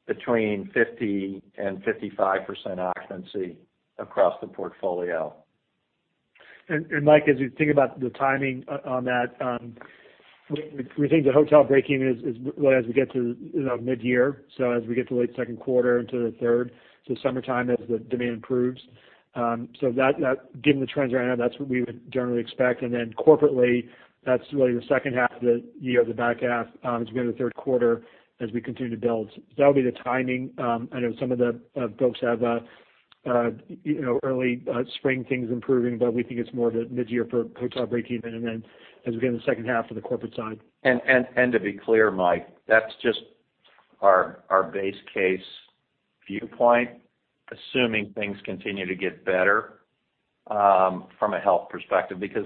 between 50% and 55% occupancy across the portfolio. Mike, as you think about the timing on that, we think the hotel break-even is as we get to mid-year, so as we get to late second quarter into the third, so summertime as the demand improves. Given the trends right now, that's what we would generally expect. Corporately, that's really the second half of the year, the back half as we go to the third quarter as we continue to build. That'll be the timing. I know some of the folks have early spring things improving, but we think it's more of a mid-year for hotel break-even, and then as we get in the second half for the corporate side. To be clear, Mike, that's just our base case viewpoint, assuming things continue to get better from a health perspective, because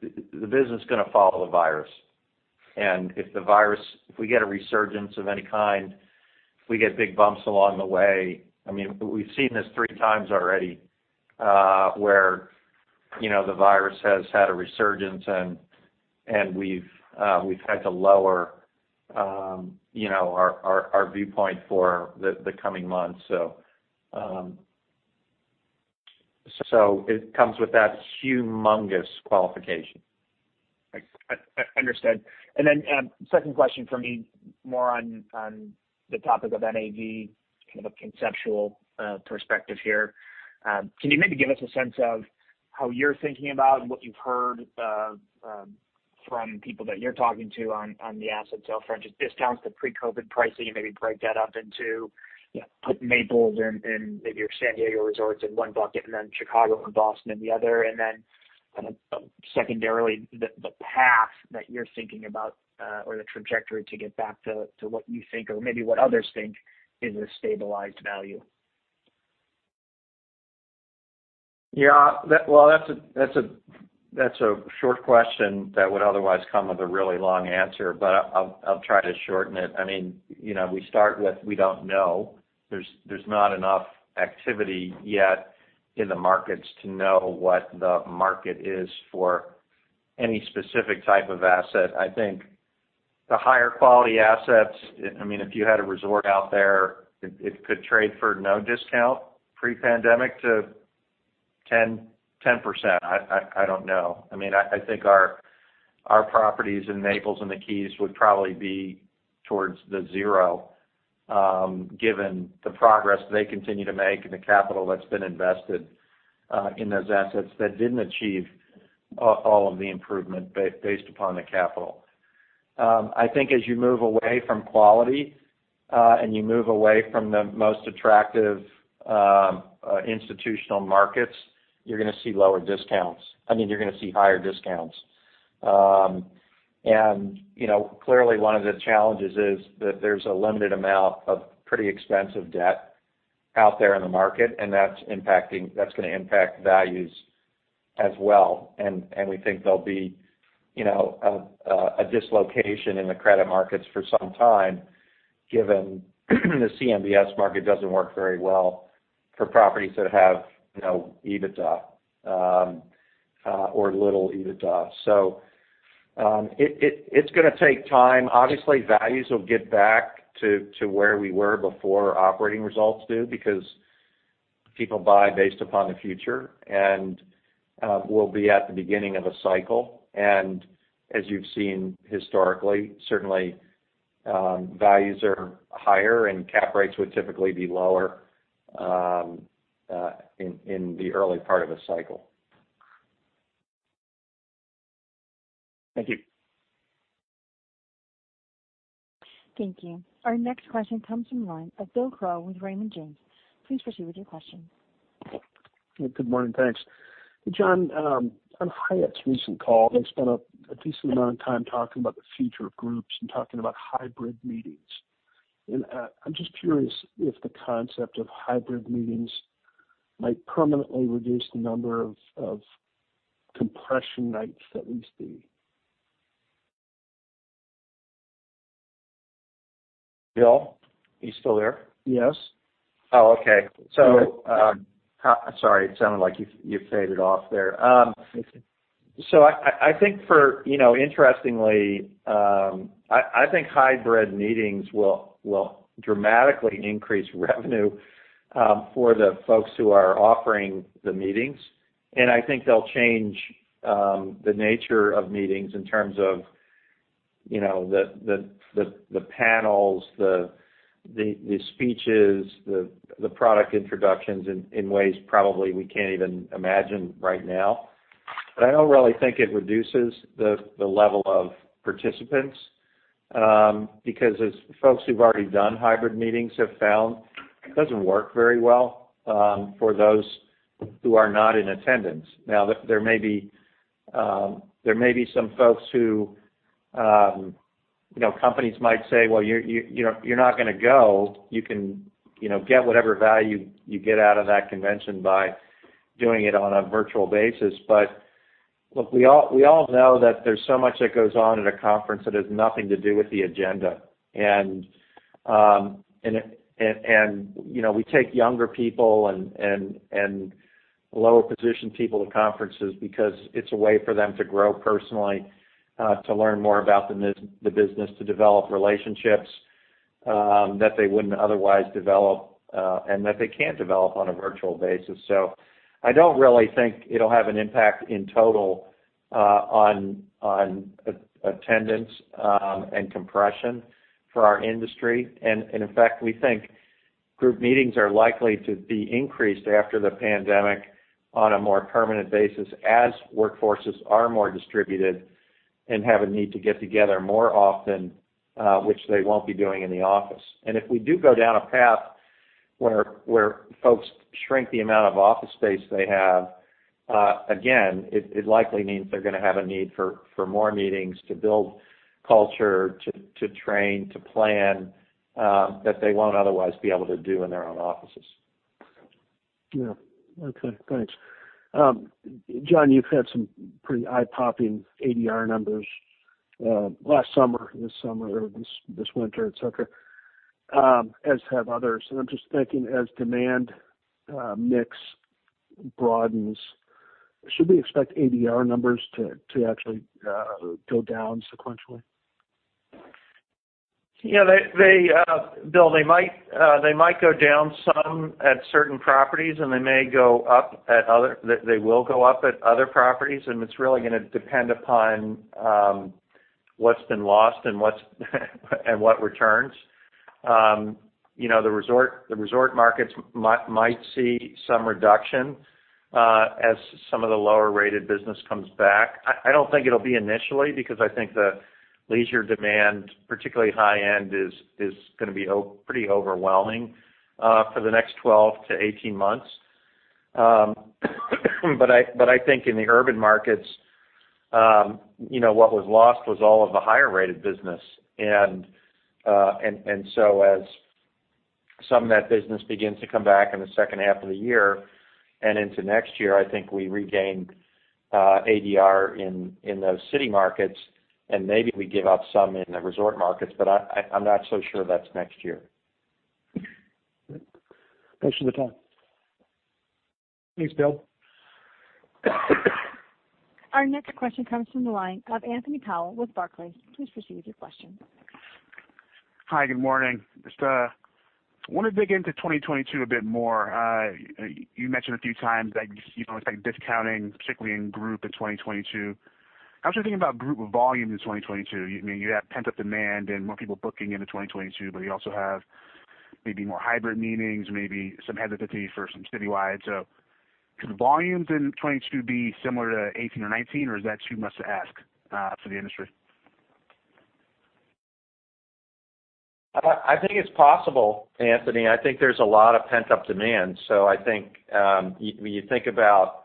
the business is going to follow the virus. If the virus, if we get a resurgence of any kind, if we get big bumps along the way, we've seen this three times already, where the virus has had a resurgence and we've had to lower our viewpoint for the coming months. It comes with that humongous qualification. Understood. Second question for me, more on the topic of NAV, kind of a conceptual perspective here. Can you maybe give us a sense of how you're thinking about and what you've heard from people that you're talking to on the asset sale front? Just discounts to pre-COVID pricing, and maybe break that up into, put Naples and maybe your San Diego resorts in one bucket, and then Chicago and Boston in the other. Secondarily, kind of the path that you're thinking about, or the trajectory to get back to what you think, or maybe what others think is a stabilized value. Well, that's a short question that would otherwise come with a really long answer, but I'll try to shorten it. We start with we don't know. There's not enough activity yet in the markets to know what the market is for any specific type of asset. I think the higher quality assets, if you had a resort out there, it could trade for no discount pre-pandemic to 10%. I don't know. I think our properties in Naples and the Keys would probably be towards the zero, given the progress they continue to make and the capital that's been invested in those assets that didn't achieve all of the improvement based upon the capital. I think as you move away from quality, and you move away from the most attractive institutional markets, you're going to see lower discounts. I mean, you're going to see higher discounts. Clearly one of the challenges is that there's a limited amount of pretty expensive debt out there in the market, and that's going to impact values as well, and we think there'll be a dislocation in the credit markets for some time, given the CMBS market doesn't work very well for properties that have EBITDA, or little EBITDA. It's going to take time. Obviously, values will get back to where we were before operating results do because people buy based upon the future, and we'll be at the beginning of a cycle. As you've seen historically, certainly values are higher and cap rates would typically be lower in the early part of a cycle. Thank you. Thank you. Our next question comes from the line of Bill Crow with Raymond James. Please proceed with your question. Good morning. Thanks. Jon, on Hyatt's recent call, they spent a decent amount of time talking about the future of groups and talking about hybrid meetings. I'm just curious if the concept of hybrid meetings might permanently reduce the number of compression nights, at least the. Bill, are you still there? Yes. Oh, okay. You good? Sorry. It sounded like you faded off there. That's okay. Interestingly, I think hybrid meetings will dramatically increase revenue for the folks who are offering the meetings. I think they'll change the nature of meetings in terms of the panels, the speeches, the product introductions in ways probably we can't even imagine right now. I don't really think it reduces the level of participants, because as folks who've already done hybrid meetings have found, it doesn't work very well for those who are not in attendance. Now, there may be some folks who, companies might say, "Well, you're not going to go." You can get whatever value you get out of that convention by doing it on a virtual basis. Look, we all know that there's so much that goes on at a conference that has nothing to do with the agenda. We take younger people and lower positioned people to conferences because it's a way for them to grow personally, to learn more about the business, to develop relationships that they wouldn't otherwise develop, and that they can't develop on a virtual basis. I don't really think it'll have an impact in total on attendance and compression for our industry. In fact, we think group meetings are likely to be increased after the pandemic on a more permanent basis as workforces are more distributed and have a need to get together more often, which they won't be doing in the office. If we do go down a path where folks shrink the amount of office space they have, again, it likely means they're going to have a need for more meetings to build culture, to train, to plan, that they won't otherwise be able to do in their own offices. Yeah. Okay, thanks. Jon, you've had some pretty eye-popping ADR numbers last summer, this summer, this winter, et cetera, as have others. I'm just thinking, as demand mix broadens, should we expect ADR numbers to actually go down sequentially? Yeah. Bill, they might go down some at certain properties. They will go up at other properties. It's really going to depend upon what's been lost and what returns. The resort markets might see some reduction as some of the lower-rated business comes back. I don't think it'll be initially, because I think the leisure demand, particularly high-end, is going to be pretty overwhelming for the next 12-18 months. I think in the urban markets, what was lost was all of the higher-rated business. As some of that business begins to come back in the second half of the year and into next year, I think we regain ADR in those city markets, and maybe we give up some in the resort markets. I'm not so sure that's next year. Thanks for the time. Thanks, Bill. Our next question comes from the line of Anthony Powell with Barclays. Please proceed with your question. Hi, good morning. Just wanted to dig into 2022 a bit more. You mentioned a few times that you don't expect discounting, particularly in group, in 2022. I was just thinking about group volume in 2022. You have pent-up demand and more people booking into 2022, but you also have maybe more hybrid meetings, maybe some hesitancy for some citywide. Could volumes in 2022 be similar to 2018 or 2019, or is that too much to ask for the industry? I think it's possible, Anthony. I think there's a lot of pent-up demand. I think when you think about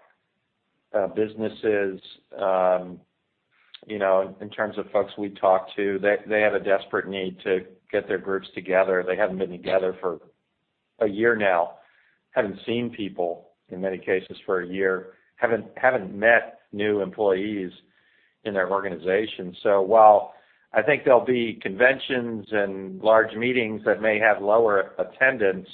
businesses, in terms of folks we talk to, they have a desperate need to get their groups together. They haven't been together for a year now. Haven't seen people, in many cases, for a year. Haven't met new employees in their organization. While I think there'll be conventions and large meetings that may have lower attendance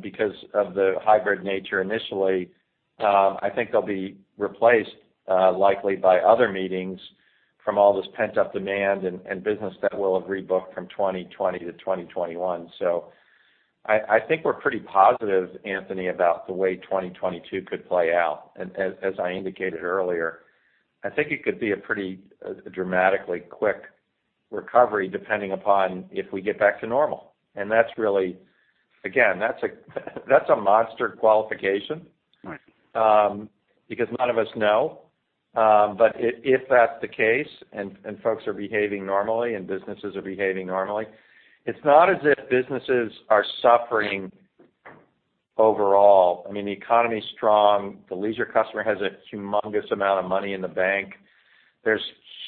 because of the hybrid nature initially, I think they'll be replaced likely by other meetings from all this pent-up demand and business that will have rebooked from 2020-2021. I think we're pretty positive, Anthony, about the way 2022 could play out. As I indicated earlier, I think it could be a pretty dramatically quick recovery depending upon if we get back to normal. Again, that's a monster qualification. Because none of us know. If that's the case and folks are behaving normally and businesses are behaving normally, it's not as if businesses are suffering overall. The economy's strong. The leisure customer has a humongous amount of money in the bank. There's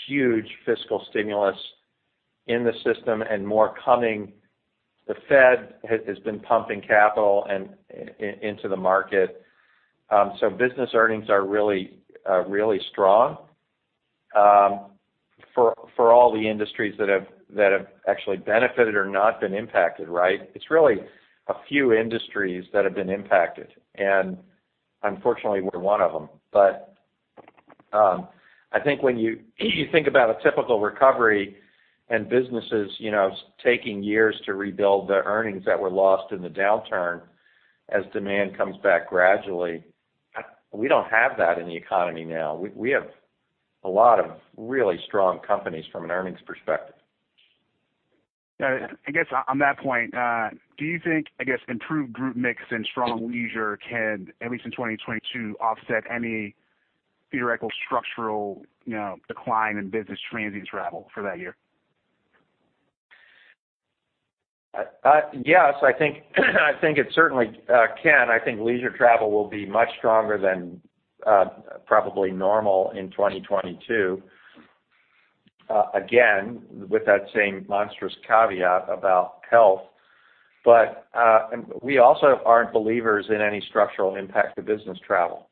huge fiscal stimulus in the system and more coming. The Fed has been pumping capital into the market. Business earnings are really strong for all the industries that have actually benefited or not been impacted, right? It's really a few industries that have been impacted, and unfortunately, we're one of them. I think when you think about a typical recovery and businesses taking years to rebuild the earnings that were lost in the downturn as demand comes back gradually, we don't have that in the economy now. We have a lot of really strong companies from an earnings perspective. Yeah. I guess on that point, do you think improved group mix and strong leisure can, at least in 2022, offset any theoretical structural decline in business transient travel for that year? Yes, I think it certainly can. I think leisure travel will be much stronger than probably normal in 2022. Again, with that same monstrous caveat about health. We also aren't believers in any structural impact to business travel.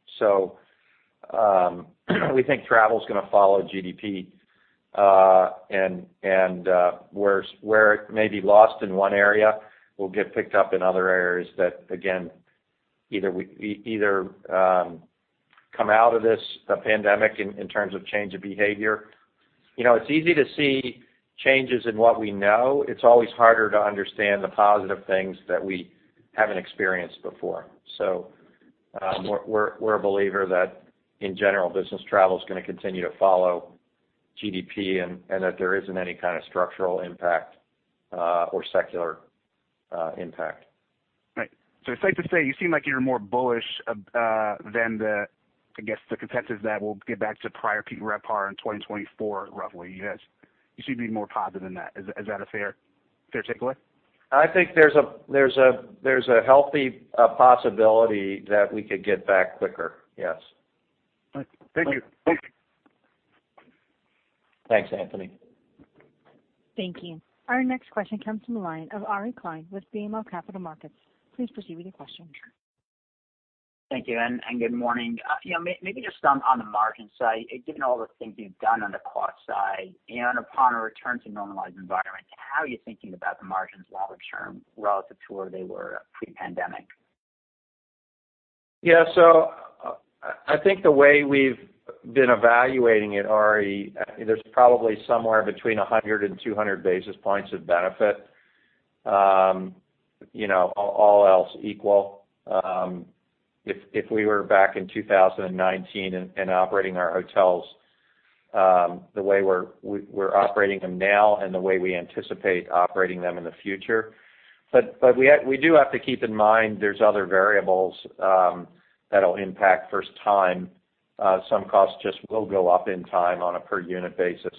We think travel's going to follow GDP, and where it may be lost in one area, will get picked up in other areas that, again, either come out of this pandemic in terms of change of behavior. It's easy to see changes in what we know. It's always harder to understand the positive things that we haven't experienced before. We're a believer that, in general, business travel is going to continue to follow GDP, and that there isn't any kind of structural impact or secular impact. Right. Safe to say, you seem like you're more bullish than the, I guess, the consensus that we'll get back to prior peak RevPAR in 2024, roughly. You seem to be more positive than that. Is that a fair take-away? I think there's a healthy possibility that we could get back quicker, yes. Thank you. Thanks, Anthony. Thank you. Our next question comes from the line of Ari Klein with BMO Capital Markets. Please proceed with your question. Thank you, and good morning. Maybe just on the margin side, given all the things you've done on the cost side, and upon a return to normalized environment, how are you thinking about the margins longer term relative to where they were pre-pandemic? Yeah. I think the way we've been evaluating it, Ari, there's probably somewhere between 100 and 200 basis points of benefit all else equal, if we were back in 2019 and operating our hotels the way we're operating them now, and the way we anticipate operating them in the future. We do have to keep in mind there's other variables that'll impact first time. Some costs just will go up in time on a per unit basis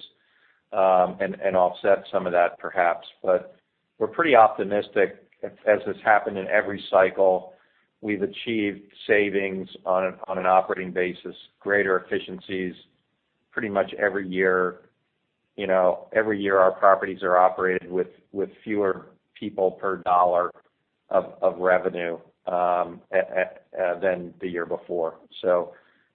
and offset some of that perhaps. We're pretty optimistic, as has happened in every cycle, we've achieved savings on an operating basis, greater efficiencies pretty much every year. Every year our properties are operated with fewer people per dollar of revenue than the year before.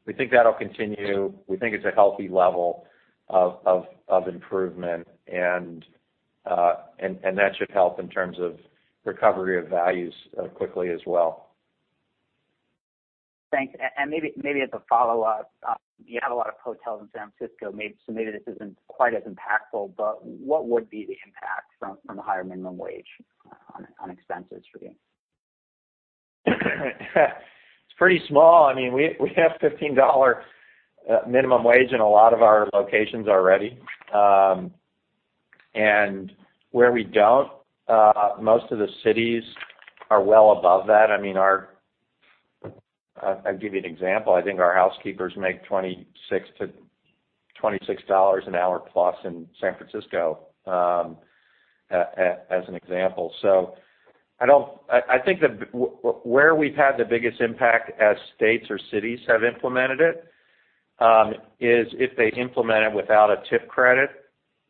We think that'll continue. We think it's a healthy level of improvement and that should help in terms of recovery of values quickly as well. Thanks. Maybe as a follow-up, you have a lot of hotels in San Francisco, so maybe this isn't quite as impactful, but what would be the impact from the higher minimum wage on expenses for you? It's pretty small. We have $15 minimum wage in a lot of our locations already. Where we don't, most of the cities are well above that. I'll give you an example. I think our housekeepers make $26 an hour plus in San Francisco, as an example. I think that where we've had the biggest impact as states or cities have implemented it, is if they implement it without a tip credit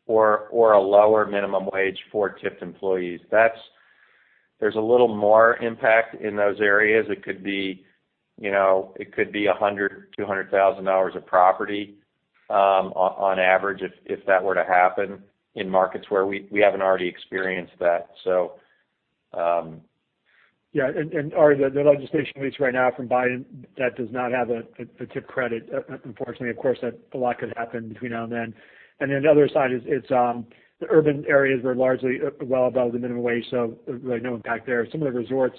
or a lower minimum wage for tipped employees. There's a little more impact in those areas. It could be $100,000, $200,000 a property on average if that were to happen in markets where we haven't already experienced that. Yeah, Ari, the legislation released right now from Biden, that does not have a tip credit, unfortunately. Of course, a lot could happen between now and then. The other side is the urban areas were largely well above the minimum wage, so really no impact there. Some of the resorts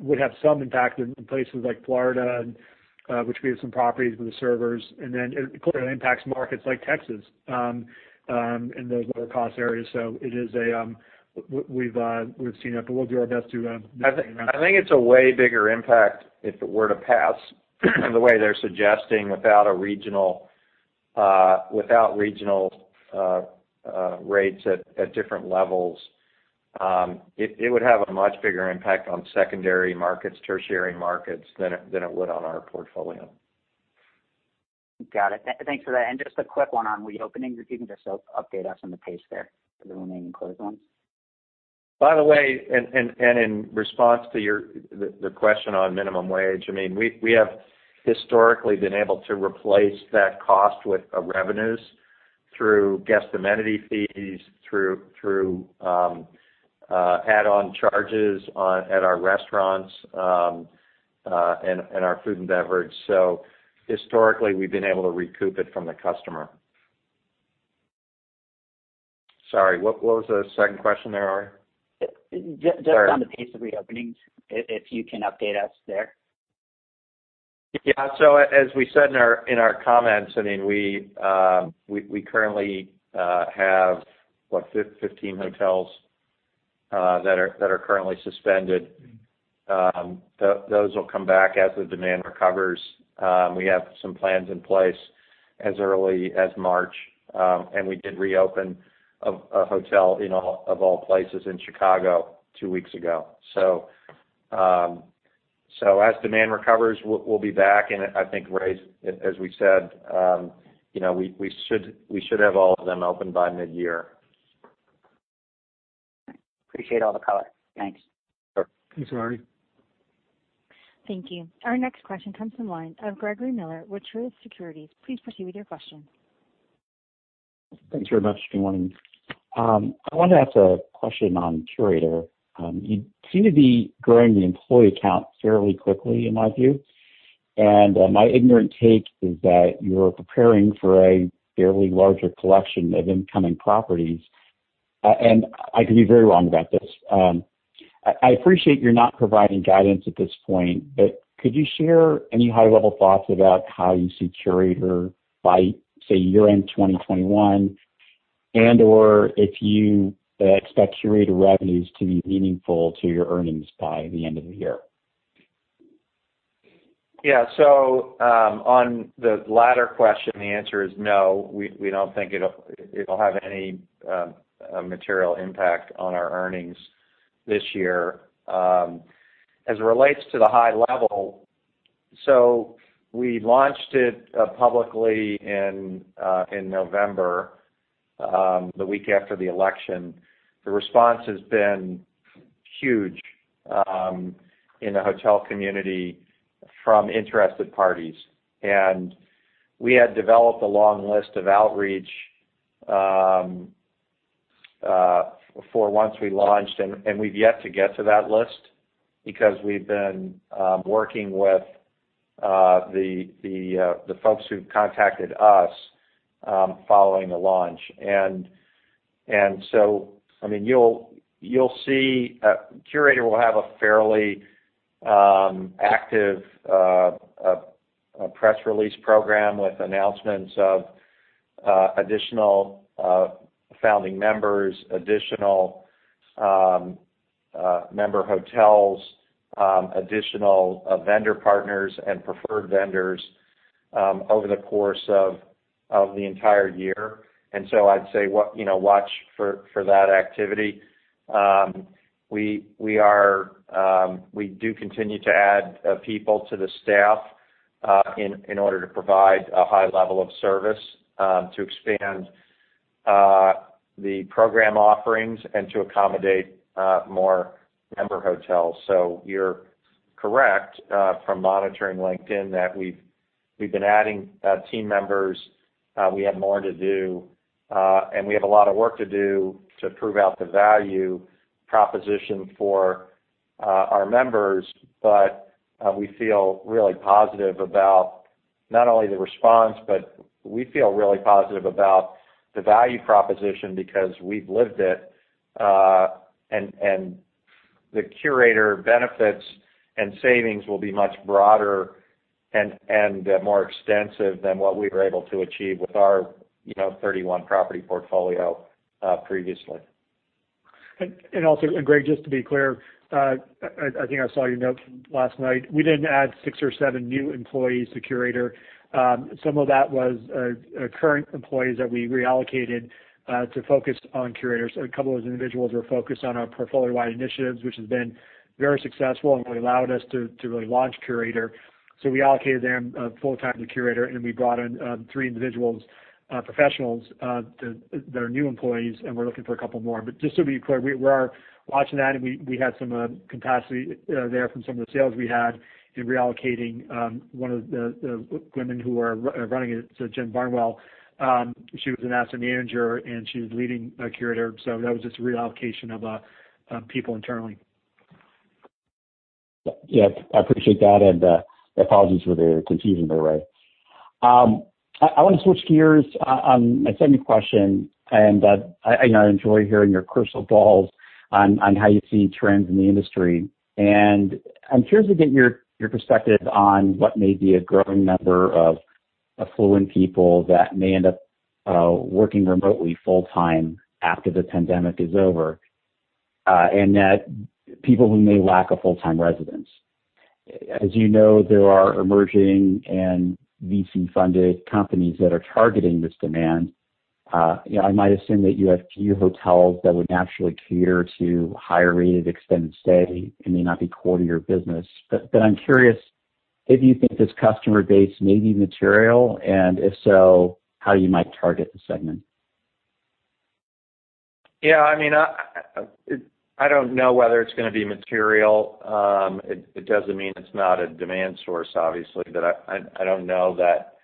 would have some impact in places like Florida, which we have some properties with the servers, and then it clearly impacts markets like Texas in those lower cost areas. We've seen it, but we'll do our best. I think it's a way bigger impact if it were to pass the way they're suggesting without regional rates at different levels. It would have a much bigger impact on secondary markets, tertiary markets, than it would on our portfolio. Got it. Thanks for that. Just a quick one on reopenings. If you can just update us on the pace there for the remaining closed ones. By the way, in response to the question on minimum wage, we have historically been able to replace that cost with revenues through guest amenity fees, through add-on charges at our restaurants, and our food and beverage. Historically, we've been able to recoup it from the customer. Sorry, what was the second question there, Ari? Sorry. Just on the pace of reopenings, if you can update us there. Yeah. As we said in our comments, we currently have 15 hotels that are currently suspended. Those will come back as the demand recovers. We have some plans in place as early as March, and we did reopen a hotel, of all places, in Chicago two weeks ago. As demand recovers, we'll be back and I think, Ray, as we said, we should have all of them open by mid-year. Appreciate all the color. Thanks. Sure. Thanks, Ari. Thank you. Our next question comes from the line of Gregory Miller with Truist Securities. Please proceed with your question. Thanks very much. Good morning. I wanted to ask a question on Curator. You seem to be growing the employee count fairly quickly in my view. My ignorant take is that you're preparing for a fairly larger collection of incoming properties, and I could be very wrong about this. I appreciate you're not providing guidance at this point, but could you share any high-level thoughts about how you see Curator by, say, year-end 2021, and/or if you expect Curator revenues to be meaningful to your earnings by the end of the year? Yeah. On the latter question, the answer is no. We don't think it'll have any material impact on our earnings this year. As it relates to the high level, we launched it publicly in November, the week after the election. The response has been huge in the hotel community from interested parties. We had developed a long list of outreach for once we launched, and we've yet to get to that list because we've been working with the folks who've contacted us following the launch. Curator will have a fairly active press release program with announcements of additional founding members, additional member hotels, additional vendor partners, and preferred vendors over the course of the entire year. I'd say, watch for that activity. We do continue to add people to the staff in order to provide a high level of service to expand the program offerings and to accommodate more member hotels. You're correct from monitoring LinkedIn that we've been adding team members. We have more to do, and we have a lot of work to do to prove out the value proposition for our members. We feel really positive about not only the response, but we feel really positive about the value proposition because we've lived it. The Curator benefits and savings will be much broader and more extensive than what we were able to achieve with our 31 property portfolio previously. Greg, just to be clear, I think I saw your note from last night. We didn't add six or seven new employees to Curator. Some of that was current employees that we reallocated to focus on Curator. A couple of those individuals were focused on our portfolio-wide initiatives, which has been very successful and really allowed us to really launch Curator. We allocated them full-time to Curator, and we brought in three individuals, professionals, that are new employees, and we're looking for a couple more. Just so to be clear, we are watching that, and we had some capacity there from some of the sales we had in reallocating one of the women who are running it. Jen Barnwell, she was an asset manager, and she's leading Curator. That was just a reallocation of people internally. Yeah, I appreciate that. Apologies for the confusion there, Ray. I want to switch gears on my second question. I enjoy hearing your crystal balls on how you see trends in the industry. I'm curious to get your perspective on what may be a growing number of affluent people that may end up working remotely full-time after the pandemic is over, and that people who may lack a full-time residence. As you know, there are emerging and VC-funded companies that are targeting this demand. I might assume that you have few hotels that would naturally cater to higher rated extended stay and may not be core to your business. I'm curious if you think this customer base may be material, and if so, how you might target the segment. Yeah, I don't know whether it's going to be material. It doesn't mean it's not a demand source, obviously, but I don't know that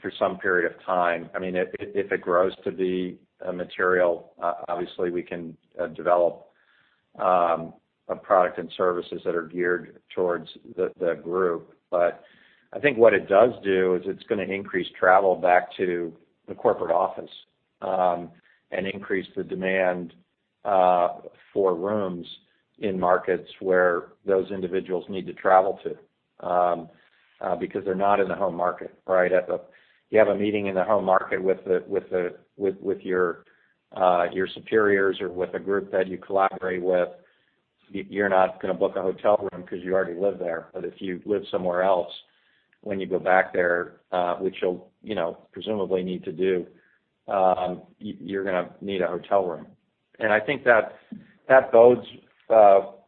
for some period of time. If it grows to be material, obviously we can develop a product and services that are geared towards the group. I think what it does do is it's going to increase travel back to the corporate office, and increase the demand for rooms in markets where those individuals need to travel to because they're not in the home market. You have a meeting in the home market with your superiors or with a group that you collaborate with, you're not going to book a hotel room because you already live there. If you live somewhere else, when you go back there, which you'll presumably need to do, you're going to need a hotel room. I think that bodes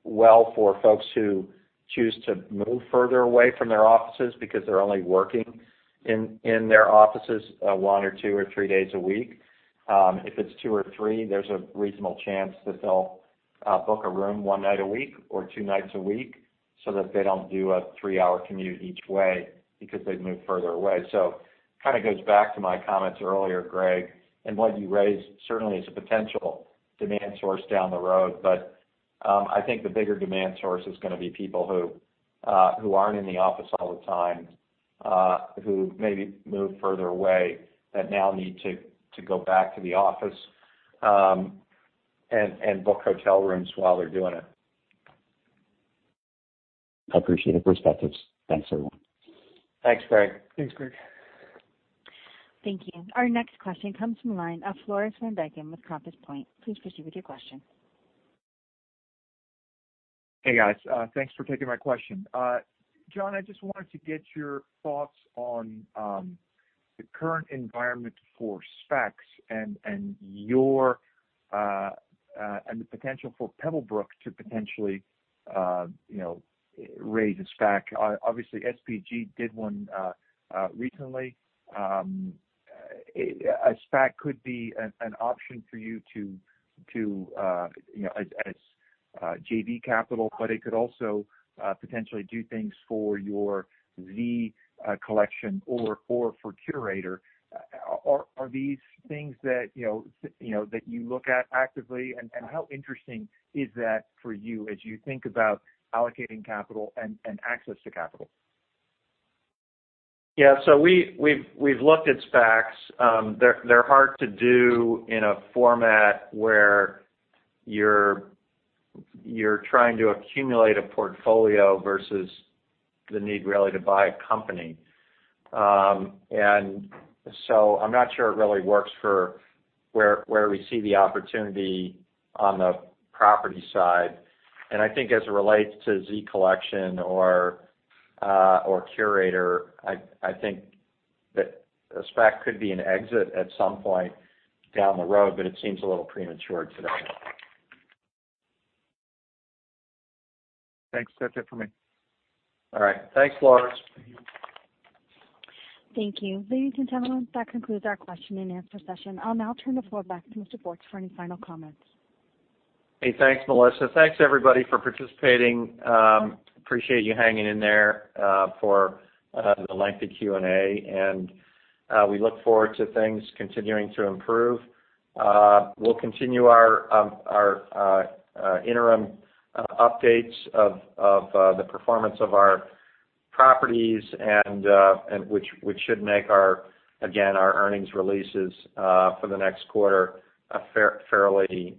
well for folks who choose to move further away from their offices because they're only working in their offices one or two or three days a week. If it's two or three, there's a reasonable chance that they'll book a room one night a week or two nights a week, so that they don't do a three-hour commute each way because they've moved further away. It kind of goes back to my comments earlier, Greg, and what you raised certainly is a potential demand source down the road. I think the bigger demand source is going to be people who aren't in the office all the time, who maybe moved further away that now need to go back to the office and book hotel rooms while they're doing it. I appreciate the perspectives. Thanks, everyone. Thanks, Greg. Thanks, Greg. Thank you. Our next question comes from the line of Floris van Dijkum with Compass Point. Please proceed with your question. Hey, guys. Thanks for taking my question. Jon, I just wanted to get your thoughts on the current environment for SPACs and the potential for Pebblebrook to potentially raise a SPAC. Obviously, SPG did one recently. A SPAC could be an option for you to, as JV capital, but it could also potentially do things for your Z Collection or for Curator. Are these things that you look at actively, and how interesting is that for you as you think about allocating capital and access to capital? Yeah. We've looked at SPACs. They're hard to do in a format where you're trying to accumulate a portfolio versus the need really to buy a company. I'm not sure it really works for where we see the opportunity on the property side. I think as it relates to Z Collection or Curator, I think that a SPAC could be an exit at some point down the road, but it seems a little premature today. Thanks. That's it for me. All right. Thanks, Floris. Thank you. Ladies and gentlemen, that concludes our question-and-answer session. I will now turn the floor back to Mr. Bortz for any final comments. Hey, thanks, Melissa. Thanks, everybody, for participating. Appreciate you hanging in there for the lengthy Q&A. We look forward to things continuing to improve. We'll continue our interim updates of the performance of our properties, which should make, again, our earnings releases for the next quarter fairly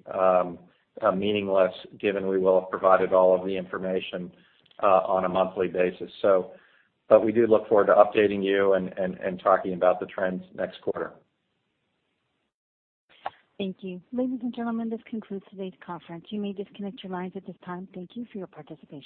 meaningless, given we will have provided all of the information on a monthly basis. We do look forward to updating you and talking about the trends next quarter. Thank you. Ladies and gentlemen, this concludes today's conference. You may disconnect your lines at this time. Thank you for your participation.